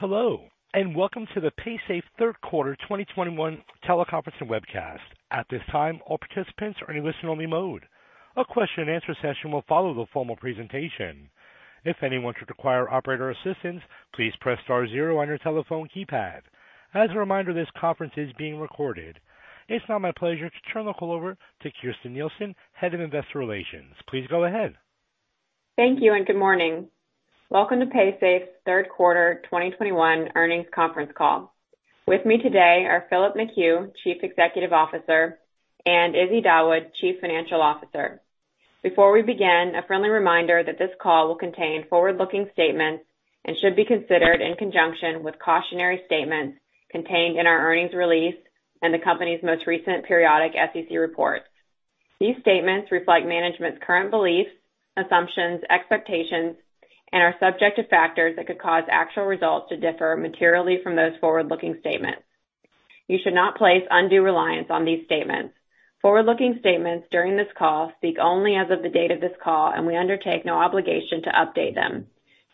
Hello, and welcome to the Paysafe Third Quarter 2021 Teleconference and Webcast. At this time, all participants are in listen-only mode. A question and answer session will follow the formal presentation. If anyone should require operator assistance, please press star 0 on your telephone keypad. As a reminder, this conference is being recorded. It's now my pleasure to turn the call over to Kirsten Nielsen, Head of Investor Relations. Please go ahead. Thank you, and good morning. Welcome to Paysafe's Third Quarter 2021 Earnings Conference Call. With me today are Philip McHugh, Chief Executive Officer, and Izzy Dawood, Chief Financial Officer. Before we begin, a friendly reminder that this call will contain forward-looking statements and should be considered in conjunction with cautionary statements contained in our earnings release and the company's most recent periodic SEC report. These statements reflect management's current beliefs, assumptions, expectations, and are subject to factors that could cause actual results to differ materially from those forward-looking statements. You should not place undue reliance on these statements. Forward-looking statements during this call speak only as of the date of this call, and we undertake no obligation to update them.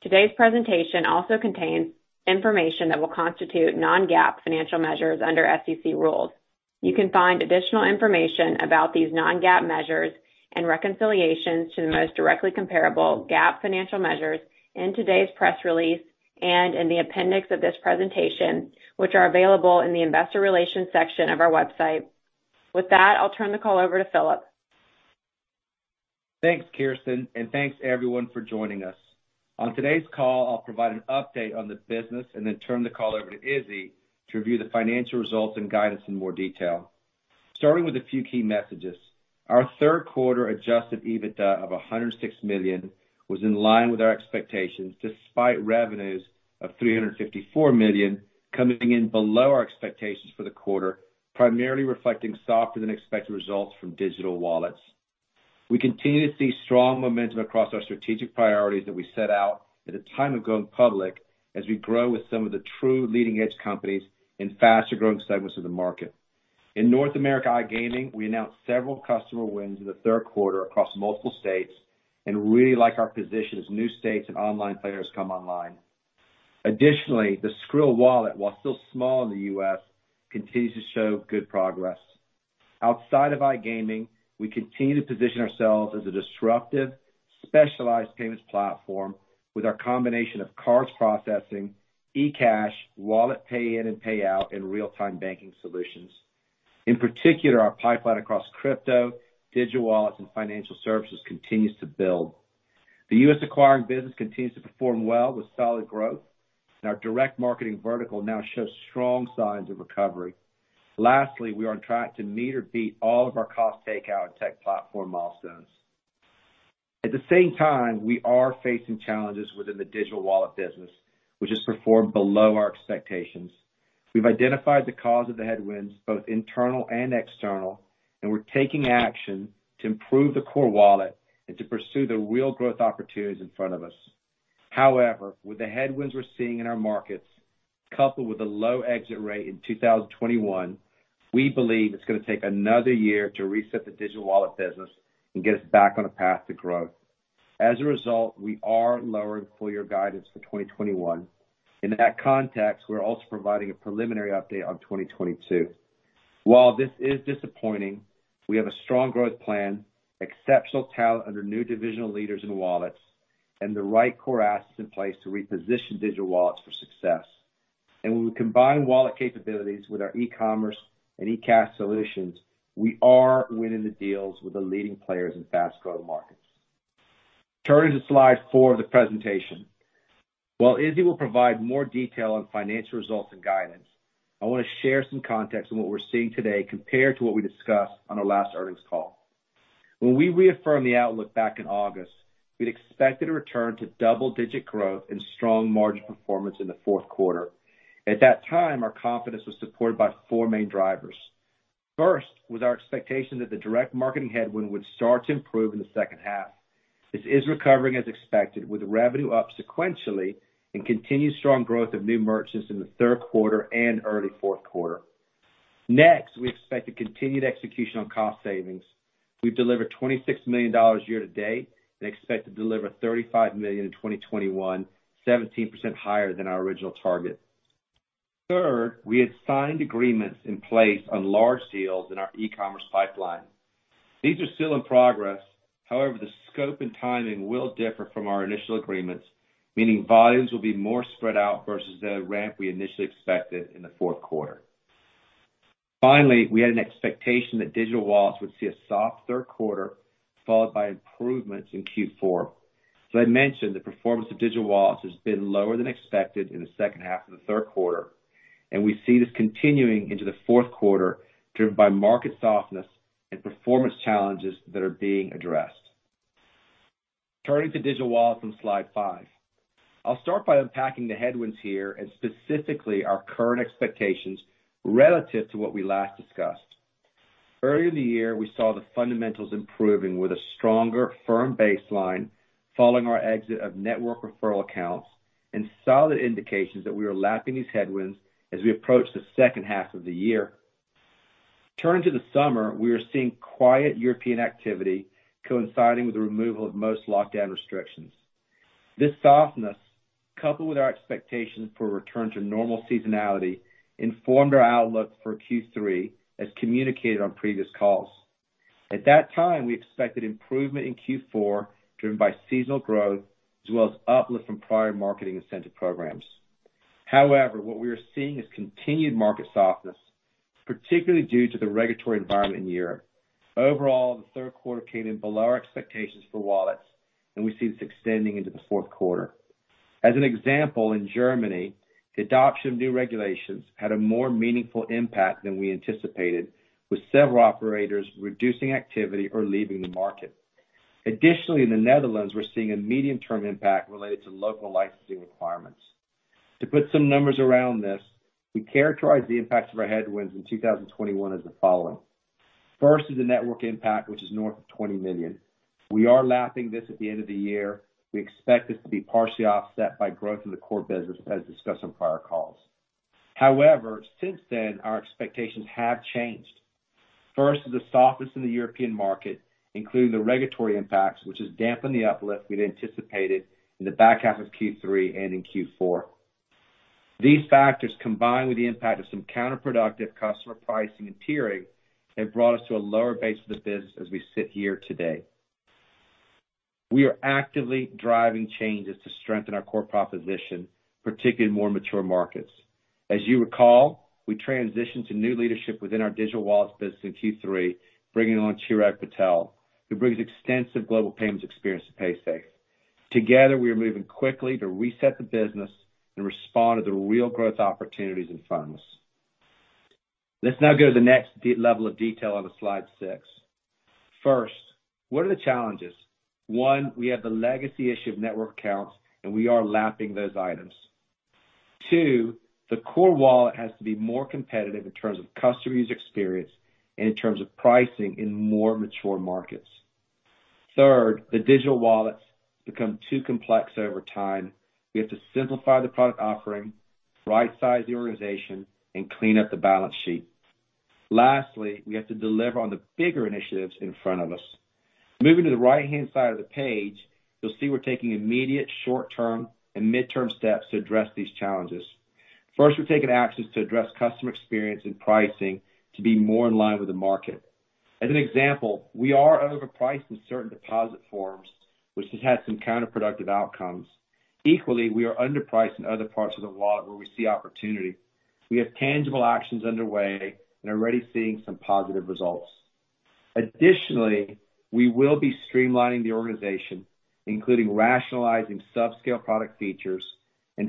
Today's presentation also contains information that will constitute non-GAAP financial measures under SEC rules. You can find additional information about these non-GAAP measures and reconciliations to the most directly comparable GAAP financial measures in today's press release and in the appendix of this presentation, which are available in the Investor Relations section of our website. With that, I'll turn the call over to Philip. Thanks, Kirsten, and thanks everyone for joining us. On today's call, I'll provide an update on the business and then turn the call over to Izzy to review the financial results and guide us in more detail. Starting with a few key messages. Our third quarter Adjusted EBITDA of $106 million was in line with our expectations, despite revenues of $354 million coming in below our expectations for the quarter, primarily reflecting softer than expected results from digital wallets. We continue to see strong momentum across our strategic priorities that we set out at the time of going public as we grow with some of the true leading-edge companies in faster-growing segments of the market. In North America iGaming, we announced several customer wins in the third quarter across multiple states and really like our position as new states and online players come online. Additionally, the Skrill wallet, while still small in the U.S., continues to show good progress. Outside of iGaming, we continue to position ourselves as a disruptive, specialized payments platform with our combination of cards processing, eCash, wallet pay in and pay out, and real-time banking solutions. In particular, our pipeline across crypto, digital wallets, and financial services continues to build. The U.S. acquiring business continues to perform well with solid growth, and our direct marketing vertical now shows strong signs of recovery. Lastly, we are on track to meet or beat all of our cost takeout and tech platform milestones. At the same time, we are facing challenges within the Digital Wallets business, which has performed below our expectations. We've identified the cause of the headwinds, both internal and external, and we're taking action to improve the core wallet and to pursue the real growth opportunities in front of us. However, with the headwinds we're seeing in our markets, coupled with a low exit rate in 2021, we believe it's gonna take another year to reset the Digital Wallets business and get us back on a path to growth. As a result, we are lowering full-year guidance for 2021. In that context, we're also providing a preliminary update on 2022. While this is disappointing, we have a strong growth plan, exceptional talent under new divisional leaders in Wallets, and the right core assets in place to reposition Digital Wallets for success. When we combine wallet capabilities with our e-commerce and eCash solutions, we are winning the deals with the leading players in fast-growing markets. Turning to slide 4 of the presentation. While Izzy will provide more detail on financial results and guidance, I want to share some context on what we're seeing today compared to what we discussed on our last earnings call. When we reaffirmed the outlook back in August, we'd expected a return to double-digit growth and strong margin performance in the fourth quarter. At that time, our confidence was supported by four main drivers. First was our expectation that the direct marketing headwind would start to improve in the second half. This is recovering as expected, with revenue up sequentially and continued strong growth of new merchants in the third quarter and early fourth quarter. Next, we expect a continued execution on cost savings. We've delivered $26 million year to date and expect to deliver $35 million in 2021, 17% higher than our original target. Third, we had signed agreements in place on large deals in our e-commerce pipeline. These are still in progress. However, the scope and timing will differ from our initial agreements, meaning volumes will be more spread out versus the ramp we initially expected in the fourth quarter. Finally, we had an expectation that Digital Wallets would see a soft third quarter followed by improvements in Q4. I mentioned the performance of Digital Wallets has been lower than expected in the second half of the third quarter, and we see this continuing into the fourth quarter, driven by market softness and performance challenges that are being addressed. Turning to Digital Wallets on slide 5. I'll start by unpacking the headwinds here and specifically our current expectations relative to what we last discussed. Earlier in the year, we saw the fundamentals improving with a stronger, firm baseline following our exit of network referral accounts and solid indications that we were lapping these headwinds as we approached the second half of the year. Turning to the summer, we are seeing quiet European activity coinciding with the removal of most lockdown restrictions. This softness, coupled with our expectations for a return to normal seasonality, informed our outlook for Q3 as communicated on previous calls. At that time, we expected improvement in Q4 driven by seasonal growth as well as uplift from prior marketing incentive programs. However, what we are seeing is continued market softness, particularly due to the regulatory environment in Europe. Overall, the third quarter came in below our expectations for Wallets, and we see this extending into the fourth quarter. As an example, in Germany, the adoption of new regulations had a more meaningful impact than we anticipated, with several operators reducing activity or leaving the market. Additionally, in the Netherlands, we're seeing a medium-term impact related to local licensing requirements. To put some numbers around this, we characterize the impacts of our headwinds in 2021 as the following. First is the network impact, which is north of $20 million. We are lapping this at the end of the year. We expect this to be partially offset by growth in the core business, as discussed on prior calls. However, since then our expectations have changed. First is the softness in the European market, including the regulatory impacts, which has dampened the uplift we'd anticipated in the back half of Q3 and in Q4. These factors, combined with the impact of some counterproductive customer pricing and tiering, have brought us to a lower base of the business as we sit here today. We are actively driving changes to strengthen our core proposition, particularly in more mature markets. As you recall, we transitioned to new leadership within our Digital Wallets business in Q3, bringing on Chirag Patel, who brings extensive global payments experience to Paysafe. Together, we are moving quickly to reset the business and respond to the real growth opportunities in front of us. Let's now go to the next level of detail on slide 6. First, what are the challenges? One, we have the legacy issue of network accounts, and we are lapping those items. Two, the core wallet has to be more competitive in terms of customers' experience and in terms of pricing in more mature markets. Third, the Digital Wallets become too complex over time. We have to simplify the product offering, right-size the organization, and clean up the balance sheet. Lastly, we have to deliver on the bigger initiatives in front of us. Moving to the right-hand side of the page, you'll see we're taking immediate short-term and midterm steps to address these challenges. First, we're taking actions to address customer experience and pricing to be more in line with the market. As an example, we are overpriced in certain deposit forms, which has had some counterproductive outcomes. Equally, we are underpriced in other parts of the wallet where we see opportunity. We have tangible actions underway and are already seeing some positive results. Additionally, we will be streamlining the organization, including rationalizing subscale product features.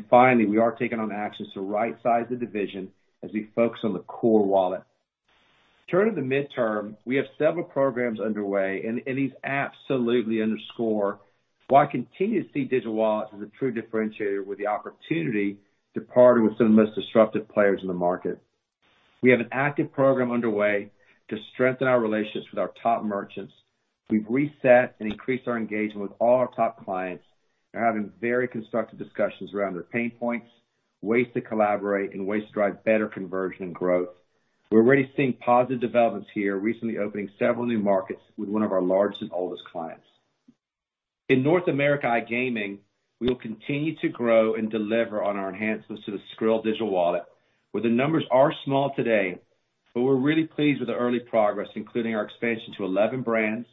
Finally, we are taking on actions to right-size the division as we focus on the core wallet. Turning to the midterm, we have several programs underway, and these absolutely underscore why I continue to see Digital Wallets as a true differentiator with the opportunity to partner with some of the most disruptive players in the market. We have an active program underway to strengthen our relationships with our top merchants. We've reset and increased our engagement with all our top clients and are having very constructive discussions around their pain points, ways to collaborate, and ways to drive better conversion and growth. We're already seeing positive developments here, recently opening several new markets with one of our largest and oldest clients. In North America iGaming, we will continue to grow and deliver on our enhancements to the Skrill digital wallet, where the numbers are small today, but we're really pleased with the early progress, including our expansion to 11 brands,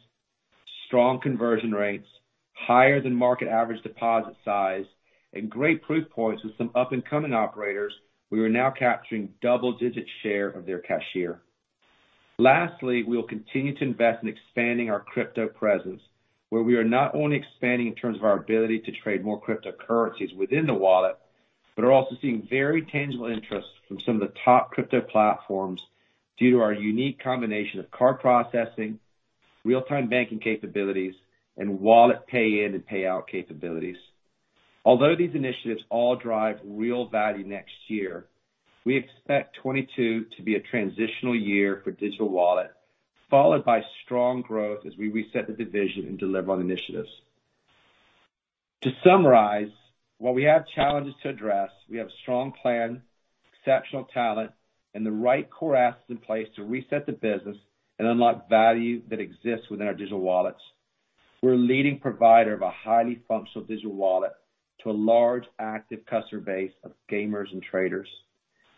strong conversion rates, higher than market average deposit size, and great proof points with some up-and-coming operators. We are now capturing double-digit share of their cashier. Lastly, we will continue to invest in expanding our crypto presence, where we are not only expanding in terms of our ability to trade more cryptocurrencies within the wallet, but are also seeing very tangible interest from some of the top crypto platforms due to our unique combination of card processing, real-time banking capabilities, and wallet pay in and pay out capabilities. Although these initiatives all drive real value next year, we expect 2022 to be a transitional year for Digital Wallets, followed by strong growth as we reset the division and deliver on initiatives. To summarize, while we have challenges to address, we have a strong plan, exceptional talent, and the right core assets in place to reset the business and unlock value that exists within our Digital Wallets. We're a leading provider of a highly functional digital wallet to a large active customer base of gamers and traders.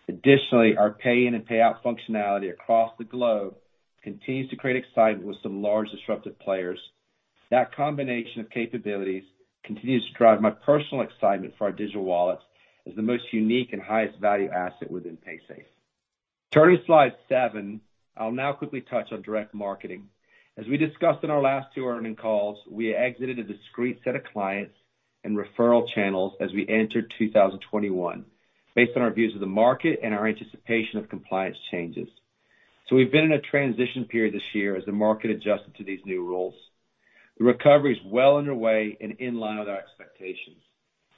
Additionally, our pay in and pay out functionality across the globe continues to create excitement with some large disruptive players. That combination of capabilities continues to drive my personal excitement for our Digital Wallets as the most unique and highest value asset within Paysafe. Turning to slide 7, I'll now quickly touch on direct marketing. As we discussed in our last two earnings calls, we exited a discrete set of clients and referral channels as we entered 2021 based on our views of the market and our anticipation of compliance changes. We've been in a transition period this year as the market adjusted to these new rules. The recovery is well underway and in line with our expectations.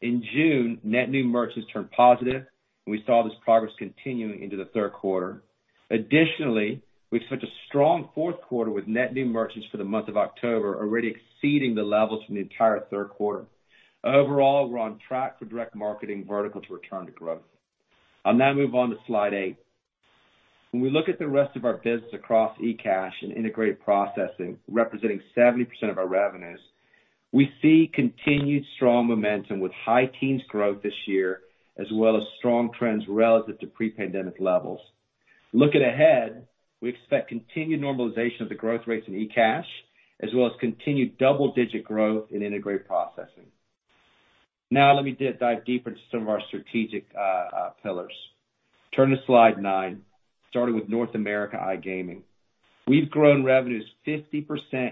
In June, net new merchants turned positive, and we saw this progress continuing into the third quarter. Additionally, we've kicked off a strong fourth quarter with net new merchants for the month of October already exceeding the levels from the entire third quarter. Overall, we're on track for direct marketing vertical to return to growth. I'll now move on to slide 8. When we look at the rest of our business across eCash and integrated processing, representing 70% of our revenues, we see continued strong momentum with high teens growth this year, as well as strong trends relative to pre-pandemic levels. Looking ahead, we expect continued normalization of the growth rates in eCash, as well as continued double-digit growth in integrated processing. Now let me dive deeper into some of our strategic pillars. Turn to slide 9, starting with North America iGaming. We've grown revenues 50%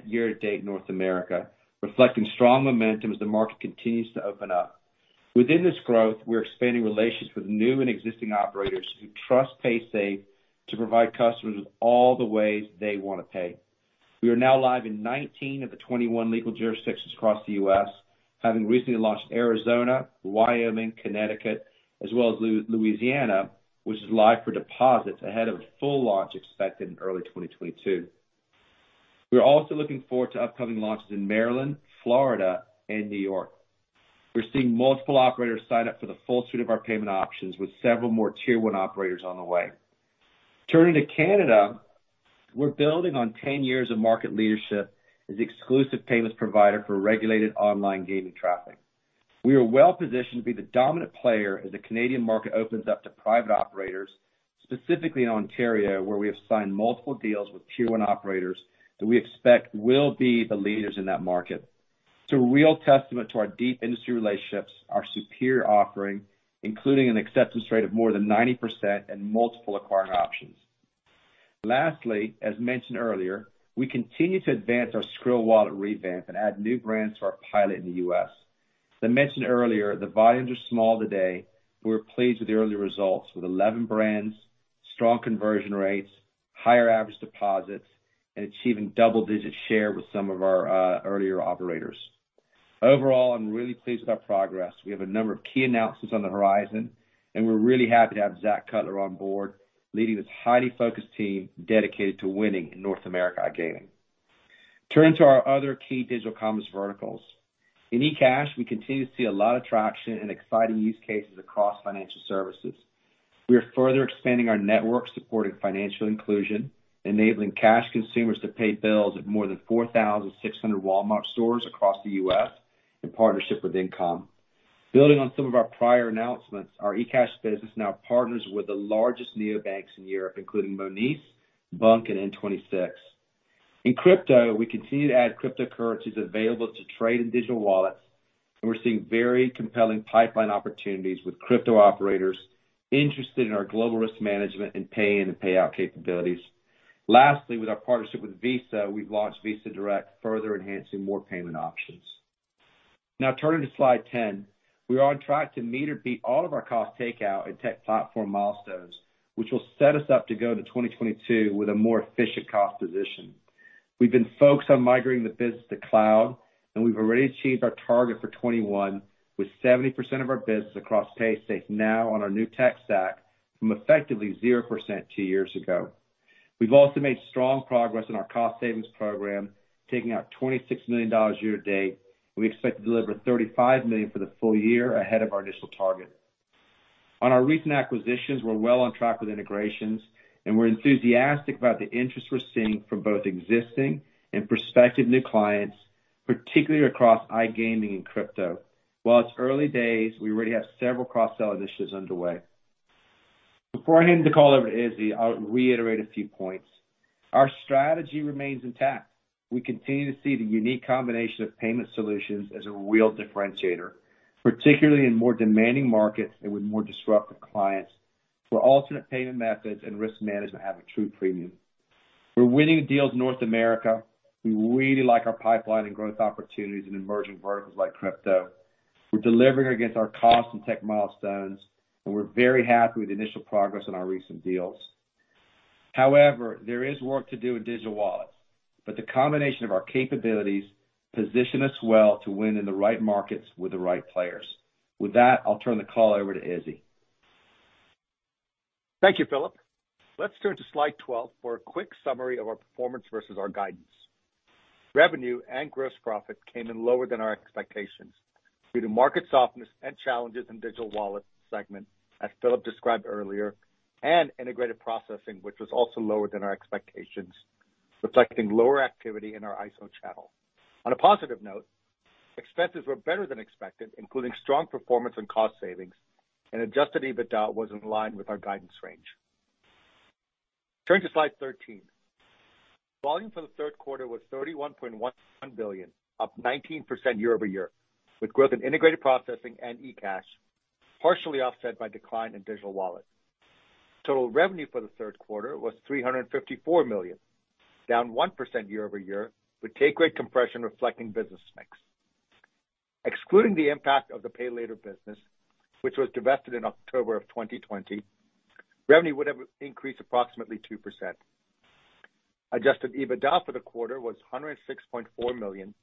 year to date in North America, reflecting strong momentum as the market continues to open up. Within this growth, we're expanding relations with new and existing operators who trust Paysafe to provide customers with all the ways they wanna pay. We are now live in 19 of the 21 legal jurisdictions across the U.S., having recently launched Arizona, Wyoming, Connecticut, as well as Louisiana, which is live for deposits ahead of a full launch expected in early 2022. We're also looking forward to upcoming launches in Maryland, Florida, and New York. We're seeing multiple operators sign up for the full suite of our payment options with several more Tier 1 operators on the way. Turning to Canada, we're building on 10 years of market leadership as the exclusive payments provider for regulated online gaming traffic. We are well-positioned to be the dominant player as the Canadian market opens up to private operators, specifically in Ontario, where we have signed multiple deals with Tier 1 operators that we expect will be the leaders in that market. It's a real testament to our deep industry relationships, our superior offering, including an acceptance rate of more than 90% and multiple acquiring options. Lastly, as mentioned earlier, we continue to advance our Skrill wallet revamp and add new brands to our pilot in the U.S. As I mentioned earlier, the volumes are small today, but we're pleased with the early results with 11 brands, strong conversion rates, higher average deposits, and achieving double-digit share with some of our earlier operators. Overall, I'm really pleased with our progress. We have a number of key announcements on the horizon, and we're really happy to have Zak Cutler on board, leading this highly focused team dedicated to winning in North America iGaming. Turning to our other key digital commerce verticals. In eCash, we continue to see a lot of traction and exciting use cases across financial services. We are further expanding our network-supported financial inclusion, enabling cash consumers to pay bills at more than 4,600 Walmart stores across the U.S. in partnership with InComm. Building on some of our prior announcements, our eCash business now partners with the largest neobanks in Europe, including Monese, bunq, and N26. In crypto, we continue to add cryptocurrencies available to trade in digital wallets, and we're seeing very compelling pipeline opportunities with crypto operators interested in our global risk management and pay in and payout capabilities. Lastly, with our partnership with Visa, we've launched Visa Direct, further enhancing more payment options. Now turning to slide 10. We are on track to meet or beat all of our cost takeout and tech platform milestones, which will set us up to go to 2022 with a more efficient cost position. We've been focused on migrating the business to cloud, and we've already achieved our target for 2021, with 70% of our business across Paysafe now on our new tech stack from effectively 0% two years ago. We've also made strong progress in our cost savings program, taking out $26 million year to date, and we expect to deliver $35 million for the full year ahead of our initial target. On our recent acquisitions, we're well on track with integrations, and we're enthusiastic about the interest we're seeing from both existing and prospective new clients, particularly across iGaming and crypto. While it's early days, we already have several cross-sell initiatives underway. Before I hand the call over to Izzy, I'll reiterate a few points. Our strategy remains intact. We continue to see the unique combination of payment solutions as a real differentiator, particularly in more demanding markets and with more disruptive clients, where alternative payment methods and risk management have a true premium. We're winning deals in North America. We really like our pipeline and growth opportunities in emerging verticals like crypto. We're delivering against our cost and tech milestones, and we're very happy with the initial progress on our recent deals. However, there is work to do in Digital Wallets, but the combination of our capabilities position us well to win in the right markets with the right players. With that, I'll turn the call over to Izzy. Thank you, Philip. Let's turn to slide 12 for a quick summary of our performance versus our guidance. Revenue and gross profit came in lower than our expectations due to market softness and challenges in Digital Wallets segment, as Philip described earlier, and integrated processing, which was also lower than our expectations, reflecting lower activity in our ISO channel. On a positive note, expenses were better than expected, including strong performance and cost savings, and Adjusted EBITDA was in line with our guidance range. Turning to slide 13. Volume for the third quarter was $31.1 billion, up 19% year-over-year, with growth in integrated processing and eCash, partially offset by decline in Digital Wallets. Total revenue for the third quarter was $354 million, down 1% year-over-year, with take rate compression reflecting business mix. Excluding the impact of the Pay Later business, which was divested in October 2020, revenue would have increased approximately 2%. Adjusted EBITDA for the quarter was $106.4 million,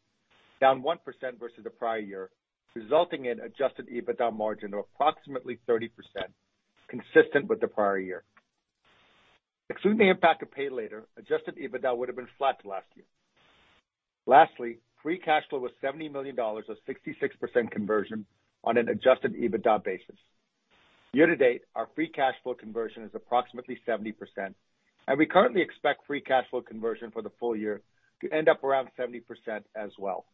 down 1% versus the prior year, resulting in Adjusted EBITDA margin of approximately 30%, consistent with the prior year. Excluding the impact of Pay Later, Adjusted EBITDA would've been flat to last year. Lastly, free cash flow was $70 million of 66% conversion on an Adjusted EBITDA basis. Year-to-date, our free cash flow conversion is approximately 70%, and we currently expect free cash flow conversion for the full year to end up around 70% as well.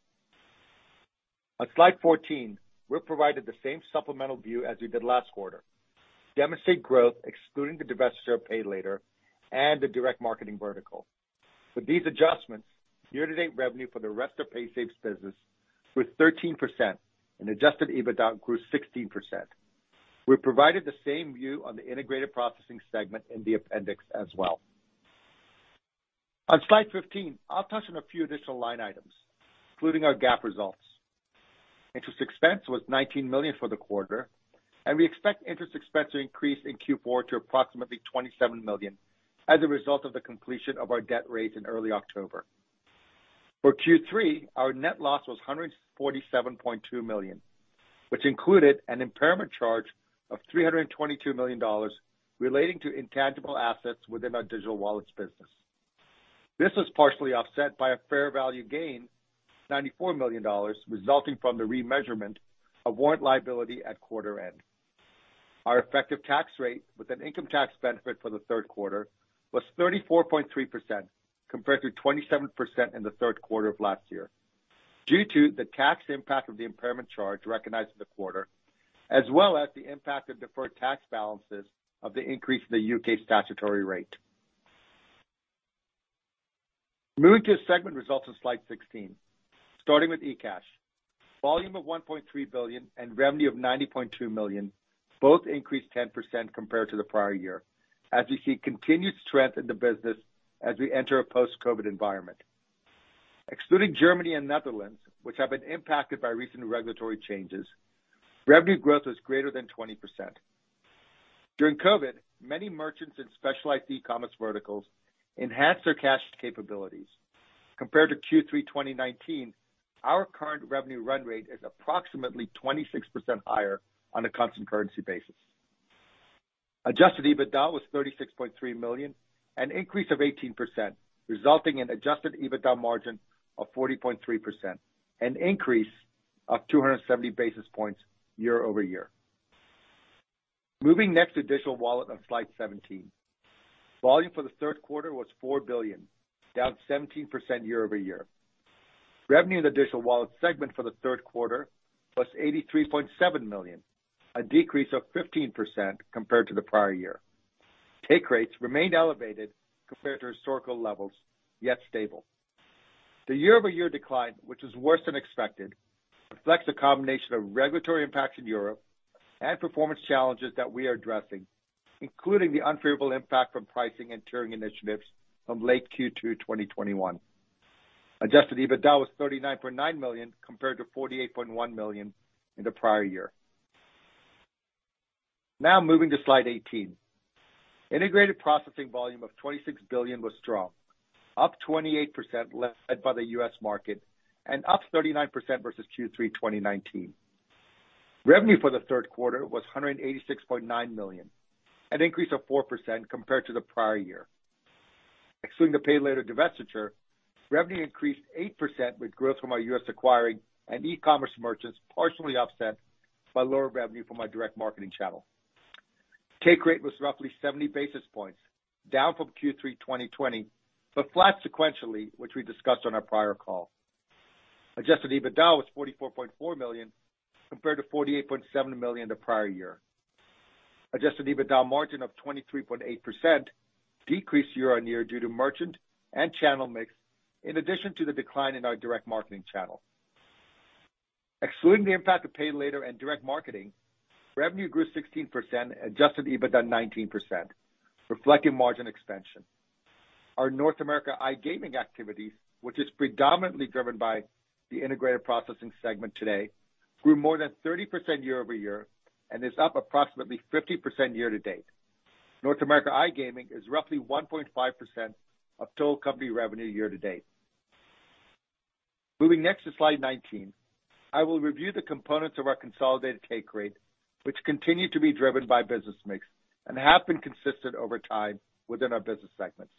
On slide 14, we're provided the same supplemental view as we did last quarter that demonstrates growth excluding the divestiture of Pay Later and the direct marketing vertical. For these adjustments, year-to-date revenue for the rest of Paysafe's business grew 13% and Adjusted EBITDA grew 16%. We're provided the same view on the Integrated Processing segment in the appendix as well. On slide 15, I'll touch on a few additional line items, including our GAAP results. Interest expense was $19 million for the quarter, and we expect interest expense to increase in Q4 to approximately $27 million as a result of the completion of our debt raise in early October. For Q3, our net loss was $147.2 million, which included an impairment charge of $322 million relating to intangible assets within our Digital Wallets business. This was partially offset by a fair value gain, $94 million resulting from the remeasurement of warrant liability at quarter end. Our effective tax rate with an income tax benefit for the third quarter was 34.3% compared to 27% in the third quarter of last year due to the tax impact of the impairment charge recognized in the quarter, as well as the impact of deferred tax balances of the increase in the U.K. statutory rate. Moving to segment results on slide 16. Starting with eCash. Volume of $1.3 billion and revenue of $90.2 million both increased 10% compared to the prior year as we see continued strength in the business as we enter a post-COVID environment. Excluding Germany and Netherlands, which have been impacted by recent regulatory changes, revenue growth was greater than 20%. During COVID, many merchants in specialized e-commerce verticals enhanced their cash capabilities. Compared to Q3 2019, our current revenue run rate is approximately 26% higher on a constant currency basis. Adjusted EBITDA was $36.3 million, an increase of 18%, resulting in Adjusted EBITDA margin of 40.3%, an increase of 270 basis points year-over-year. Moving next to Digital Wallet on slide 17. Volume for the third quarter was $4 billion, down 17% year-over-year. Revenue in the Digital Wallet segment for the third quarter was $83.7 million, a decrease of 15% compared to the prior year. Take rates remained elevated compared to historical levels, yet stable. The year-over-year decline, which is worse than expected, reflects a combination of regulatory impacts in Europe and performance challenges that we are addressing, including the unfavorable impact from pricing and touring initiatives from late Q2 2021. Adjusted EBITDA was $39.9 million compared to $48.1 million in the prior year. Now moving to slide 18. Integrated processing volume of $26 billion was strong, up 28% led by the U.S. market and up 39% versus Q3 2019. Revenue for the third quarter was $186.9 million, an increase of 4% compared to the prior year. Excluding the Pay Later divestiture, revenue increased 8% with growth from our U.S. acquiring and e-commerce merchants partially offset by lower revenue from our direct marketing channel. Take rate was roughly 70 basis points, down from Q3 2020, but flat sequentially, which we discussed on our prior call. Adjusted EBITDA was $44.4 million compared to $48.7 million the prior year. Adjusted EBITDA margin of 23.8% decreased year-over-year due to merchant and channel mix in addition to the decline in our direct marketing channel. Excluding the impact of Pay Later and direct marketing, revenue grew 16%, Adjusted EBITDA 19%, reflecting margin expansion. Our North America iGaming activities, which is predominantly driven by the Integrated Processing segment today, grew more than 30% year-over-year and is up approximately 50% year to date. North America iGaming is roughly 1.5% of total company revenue year to date. Moving next to slide 19. I will review the components of our consolidated take rate, which continue to be driven by business mix and have been consistent over time within our business segments.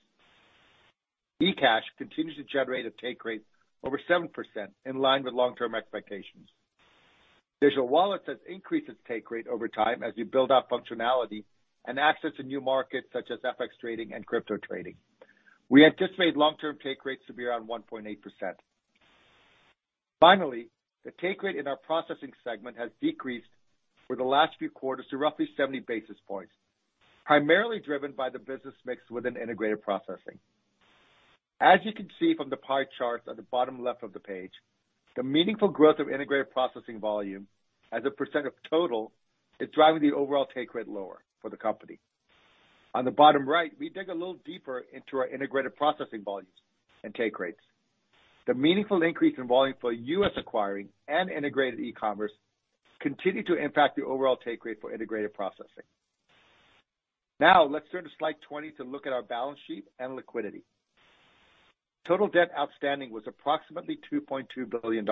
eCash continues to generate a take rate over 7% in line with long-term expectations. Digital Wallets has increased its take rate over time as we build out functionality and access to new markets such as FX trading and crypto trading. We anticipate long-term take rates to be around 1.8%. Finally, the take rate in our Processing segment has decreased for the last few quarters to roughly 70 basis points, primarily driven by the business mix within Integrated Processing. As you can see from the pie charts on the bottom left of the page, the meaningful growth of integrated processing volume as a percent of total is driving the overall take rate lower for the company. On the bottom right, we dig a little deeper into our integrated processing volumes and take rates. The meaningful increase in volume for U.S. acquiring and integrated e-commerce continue to impact the overall take rate for integrated processing. Now let's turn to slide 20 to look at our balance sheet and liquidity. Total debt outstanding was approximately $2.2 billion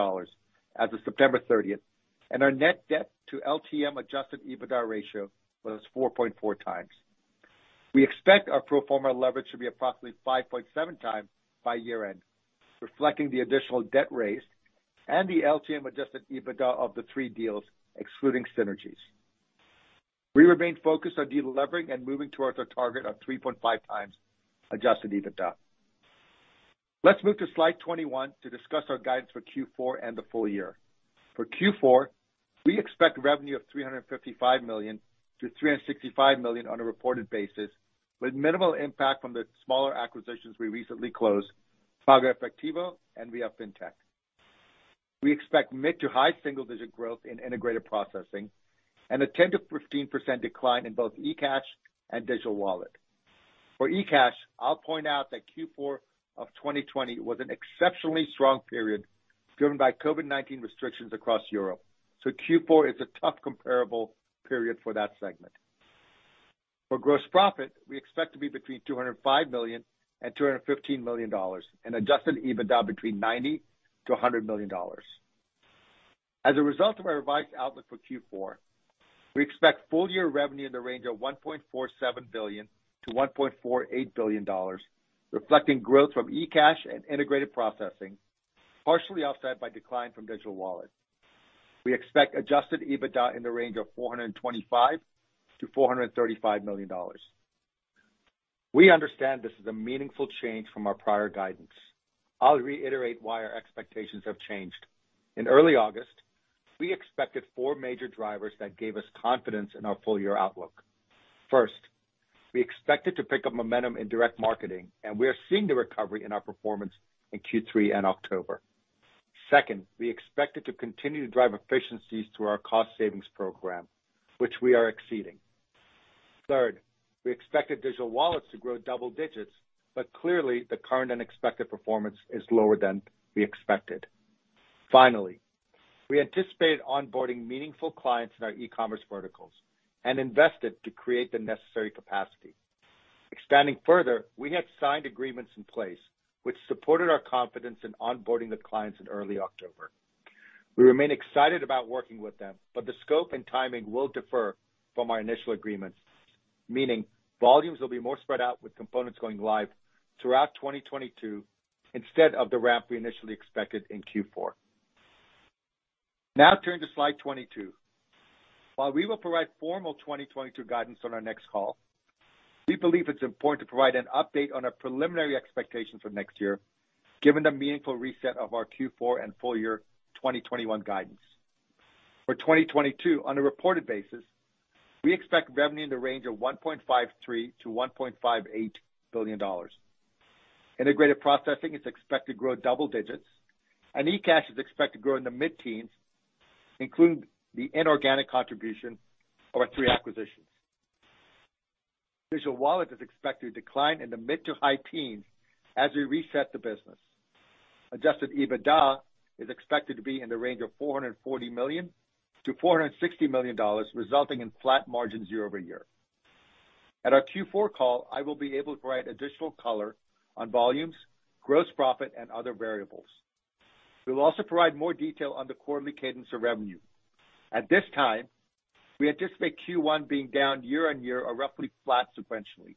as of September 30, and our net debt to LTM Adjusted EBITDA ratio was 4.4x. We expect our pro forma leverage to be approximately 5.7x by year-end, reflecting the additional debt raised and the LTM Adjusted EBITDA of the three deals excluding synergies. We remain focused on de-levering and moving towards our target of 3.5x Adjusted EBITDA. Let's move to slide 21 to discuss our guidance for Q4 and the full year. For Q4, we expect revenue of $355 million-$365 million on a reported basis, with minimal impact from the smaller acquisitions we recently closed, PagoEfectivo and viafintech. We expect mid to high single-digit growth in integrated processing and a 10%-15% decline in both eCash and Digital Wallet. For eCash, I'll point out that Q4 of 2020 was an exceptionally strong period driven by COVID-19 restrictions across Europe, so Q4 is a tough comparable period for that segment. For gross profit, we expect to be between $205 million and $215 million and Adjusted EBITDA between $90 million and $100 million. As a result of our revised outlook for Q4, we expect full-year revenue in the range of $1.47 billion-$1.48 billion, reflecting growth from eCash and integrated processing, partially offset by decline from Digital Wallet. We expect Adjusted EBITDA in the range of $425 million-$435 million. We understand this is a meaningful change from our prior guidance. I'll reiterate why our expectations have changed. In early August, we expected four major drivers that gave us confidence in our full-year outlook. First, we expected to pick up momentum in direct marketing, and we are seeing the recovery in our performance in Q3 and October. Second, we expected to continue to drive efficiencies through our cost savings program, which we are exceeding. Third, we expected Digital Wallets to grow double digits, but clearly the current unexpected performance is lower than we expected. Finally, we anticipated onboarding meaningful clients in our e-commerce verticals and invested to create the necessary capacity. Expanding further, we had signed agreements in place which supported our confidence in onboarding the clients in early October. We remain excited about working with them, but the scope and timing will differ from our initial agreements, meaning volumes will be more spread out with components going live throughout 2022 instead of the ramp we initially expected in Q4. Now turn to slide 22. While we will provide formal 2022 guidance on our next call, we believe it's important to provide an update on our preliminary expectations for next year, given the meaningful reset of our Q4 and full year 2021 guidance. For 2022, on a reported basis, we expect revenue in the range of $1.53 billion-$1.58 billion. Integrated processing is expected to grow double digits, and eCash is expected to grow in the mid-teens, including the inorganic contribution of our three acquisitions. Digital Wallet is expected to decline in the mid to high-teens as we reset the business. Adjusted EBITDA is expected to be in the range of $440 million-$460 million, resulting in flat margins year-over-year. At our Q4 call, I will be able to provide additional color on volumes, gross profit and other variables. We will also provide more detail on the quarterly cadence of revenue. At this time, we anticipate Q1 being down year-on-year or roughly flat sequentially,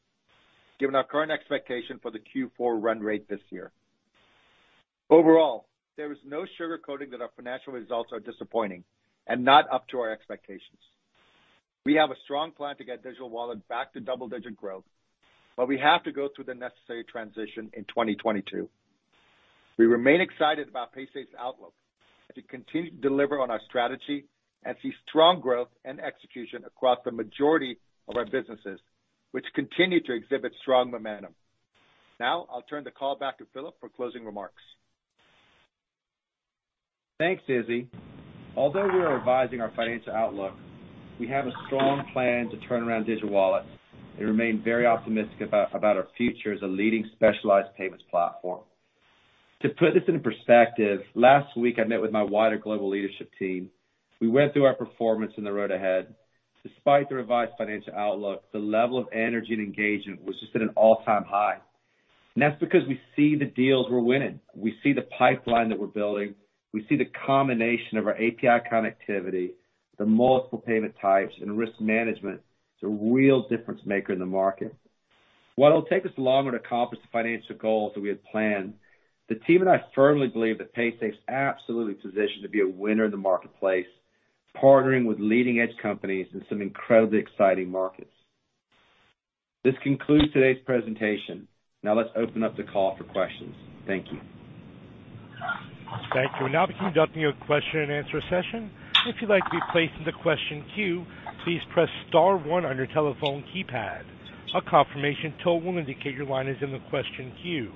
given our current expectation for the Q4 run rate this year. Overall, there is no sugarcoating that our financial results are disappointing and not up to our expectations. We have a strong plan to get Digital Wallet back to double-digit growth, but we have to go through the necessary transition in 2022. We remain excited about Paysafe's outlook to continue to deliver on our strategy and see strong growth and execution across the majority of our businesses, which continue to exhibit strong momentum. Now I'll turn the call back to Philip for closing remarks. Thanks, Izzy. Although we are revising our financial outlook, we have a strong plan to turn around Digital Wallets and remain very optimistic about our future as a leading specialized payments platform. To put this into perspective, last week I met with my wider global leadership team. We went through our performance and the road ahead. Despite the revised financial outlook, the level of energy and engagement was just at an all-time high. That's because we see the deals we're winning. We see the pipeline that we're building. We see the combination of our API connectivity, the multiple payment types and risk management. It's a real difference maker in the market. While it'll take us longer to accomplish the financial goals that we had planned, the team and I firmly believe that Paysafe's absolutely positioned to be a winner in the marketplace, partnering with leading-edge companies in some incredibly exciting markets. This concludes today's presentation. Now let's open up the call for questions. Thank you. Thank you. We'll now be conducting a question-and-answer session. If you'd like to be placed in the question queue, please press star 1 on your telephone keypad. A confirmation tone will indicate your line is in the question queue.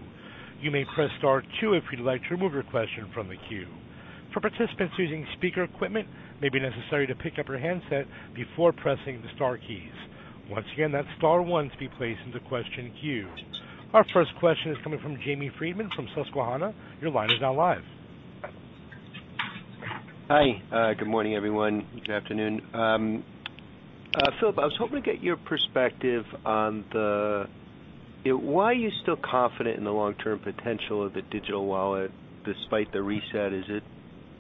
You may press star 2 if you'd like to remove your question from the queue. For participants using speaker equipment, it may be necessary to pick up your handset before pressing the star keys. Once again, that's star 1 to be placed into question queue. Our first question is coming from Jamie Friedman from Susquehanna. Your line is now live. Hi, good morning, everyone. Good afternoon. Philip, I was hoping to get your perspective on why are you still confident in the long-term potential of the digital wallet despite the reset? Is it,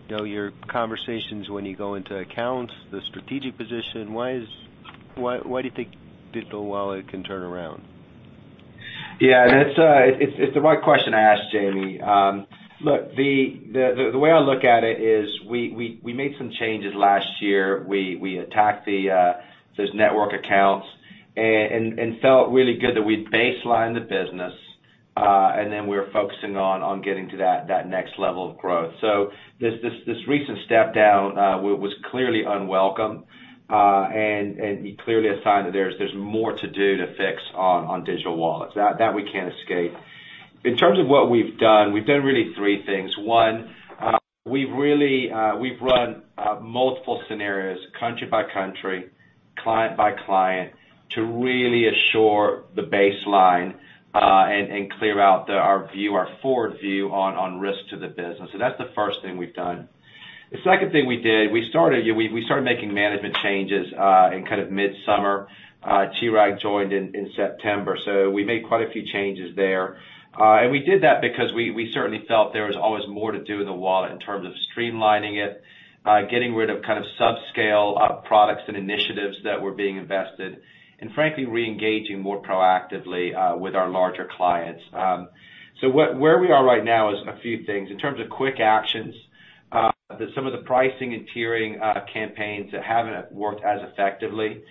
you know, your conversations when you go into accounts, the strategic position? Why do you think digital wallet can turn around? Yeah. That's, it's the right question to ask, Jamie. Look, the way I look at it is we made some changes last year. We attacked those network accounts and felt really good that we baseline the business, and then we're focusing on getting to that next level of growth. This recent step down was clearly unwelcome, and clearly a sign that there's more to do to fix on Digital Wallets. That we can't escape. In terms of what we've done, we've done really three things. One, we've run multiple scenarios country by country, client by client, to really assure the baseline, and clear out our forward view on risk to the business. That's the first thing we've done. The second thing we did, we started making management changes in kind of midsummer. Chirag joined in September, so we made quite a few changes there. We did that because we certainly felt there was always more to do in the wallet in terms of streamlining it, getting rid of kind of subscale products and initiatives that were being invested, and frankly, reengaging more proactively with our larger clients. Where we are right now is a few things. In terms of quick actions, some of the pricing and tiering campaigns that haven't worked as effectively,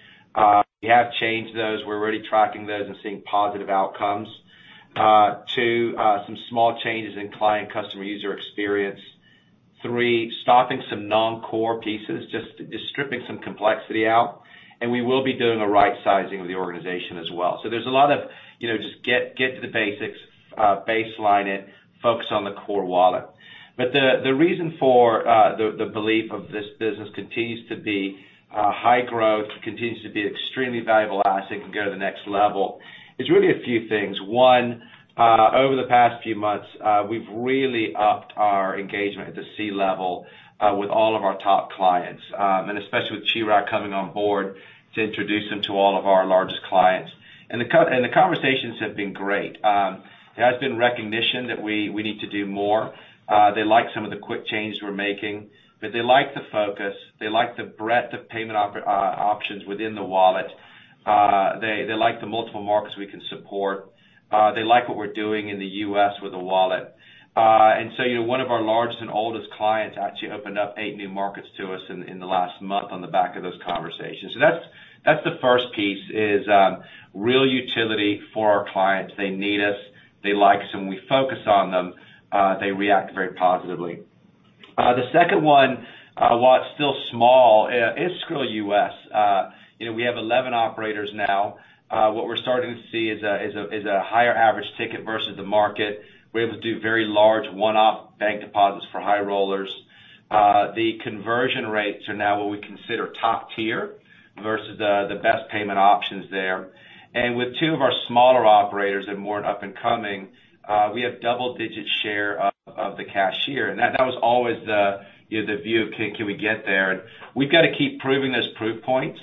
we have changed those. We're already tracking those and seeing positive outcomes. Two, some small changes in client customer user experience. Three, stopping some non-core pieces, just stripping some complexity out. We will be doing a right sizing of the organization as well. There's a lot of, you know, just get to the basics, baseline it, focus on the core wallet. The reason for the belief of this business continues to be high growth, continues to be extremely valuable asset and can go to the next level. It's really a few things. One, over the past few months, we've really upped our engagement at the C-level with all of our top clients, and especially with Chirag coming on board to introduce them to all of our largest clients. The conversations have been great. There has been recognition that we need to do more. They like some of the quick changes we're making, but they like the focus, they like the breadth of payment options within the wallet. They like the multiple markets we can support. They like what we're doing in the U.S. with the wallet. You know, one of our largest and oldest clients actually opened up eight new markets to us in the last month on the back of those conversations. That's the first piece, is real utility for our clients. They need us, they like us, and when we focus on them, they react very positively. The second one, while it's still small, is Skrill USA. You know, we have 11 operators now. What we're starting to see is a higher average ticket versus the market. We're able to do very large one-off bank deposits for high rollers. The conversion rates are now what we consider top tier versus the best payment options there. With two of our smaller operators and more up and coming, we have double-digit share of the cashier. That was always you know the view of can we get there? We've got to keep proving those proof points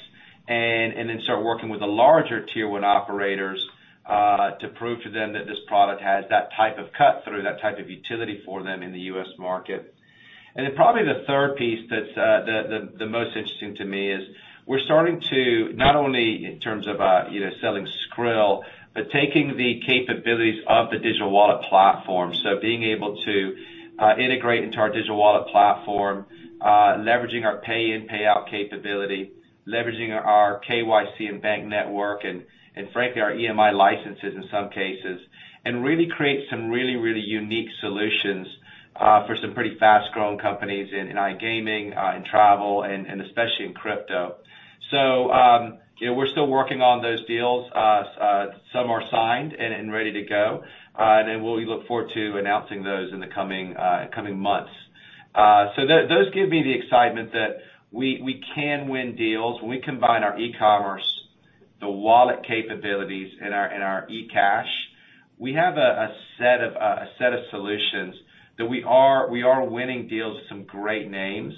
and then start working with the larger Tier 1 operators to prove to them that this product has that type of cut through, that type of utility for them in the U.S. market. Then probably the third piece that's the most interesting to me is we're starting to not only in terms of you know selling Skrill, but taking the capabilities of the Digital Wallet platform. Being able to integrate into our Digital Wallet platform, leveraging our pay in pay out capability, leveraging our KYC and bank network, and frankly, our EMI licenses in some cases, and really create really unique solutions for some pretty fast-growing companies in iGaming, in travel, and especially in crypto. You know, we're still working on those deals. Some are signed and ready to go, and then we look forward to announcing those in the coming months. Those give me the excitement that we can win deals. When we combine our e-commerce, the wallet capabilities, and our e-cash, we have a set of solutions that we are winning deals with some great names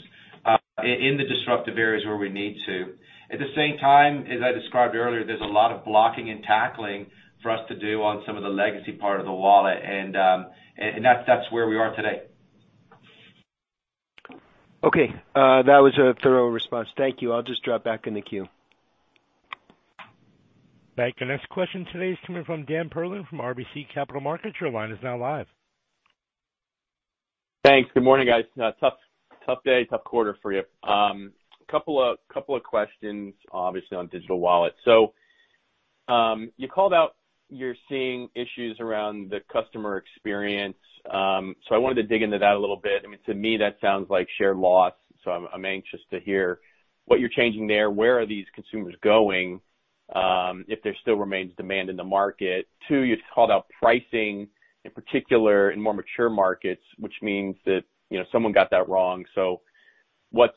in the disruptive areas where we need to. At the same time, as I described earlier, there's a lot of blocking and tackling for us to do on some of the legacy part of the wallet. That's where we are today. Okay. That was a thorough response. Thank you. I'll just drop back in the queue. Thank you. Next question today is coming from Dan Perlin from RBC Capital Markets. Your line is now live. Thanks. Good morning, guys. Tough day, tough quarter for you. A couple of questions obviously on digital wallet. You called out you're seeing issues around the customer experience. I wanted to dig into that a little bit. I mean, to me, that sounds like share loss, so I'm anxious to hear what you're changing there. Where are these consumers going, if there still remains demand in the market? Two, you called out pricing, in particular in more mature markets, which means that, you know, someone got that wrong. What's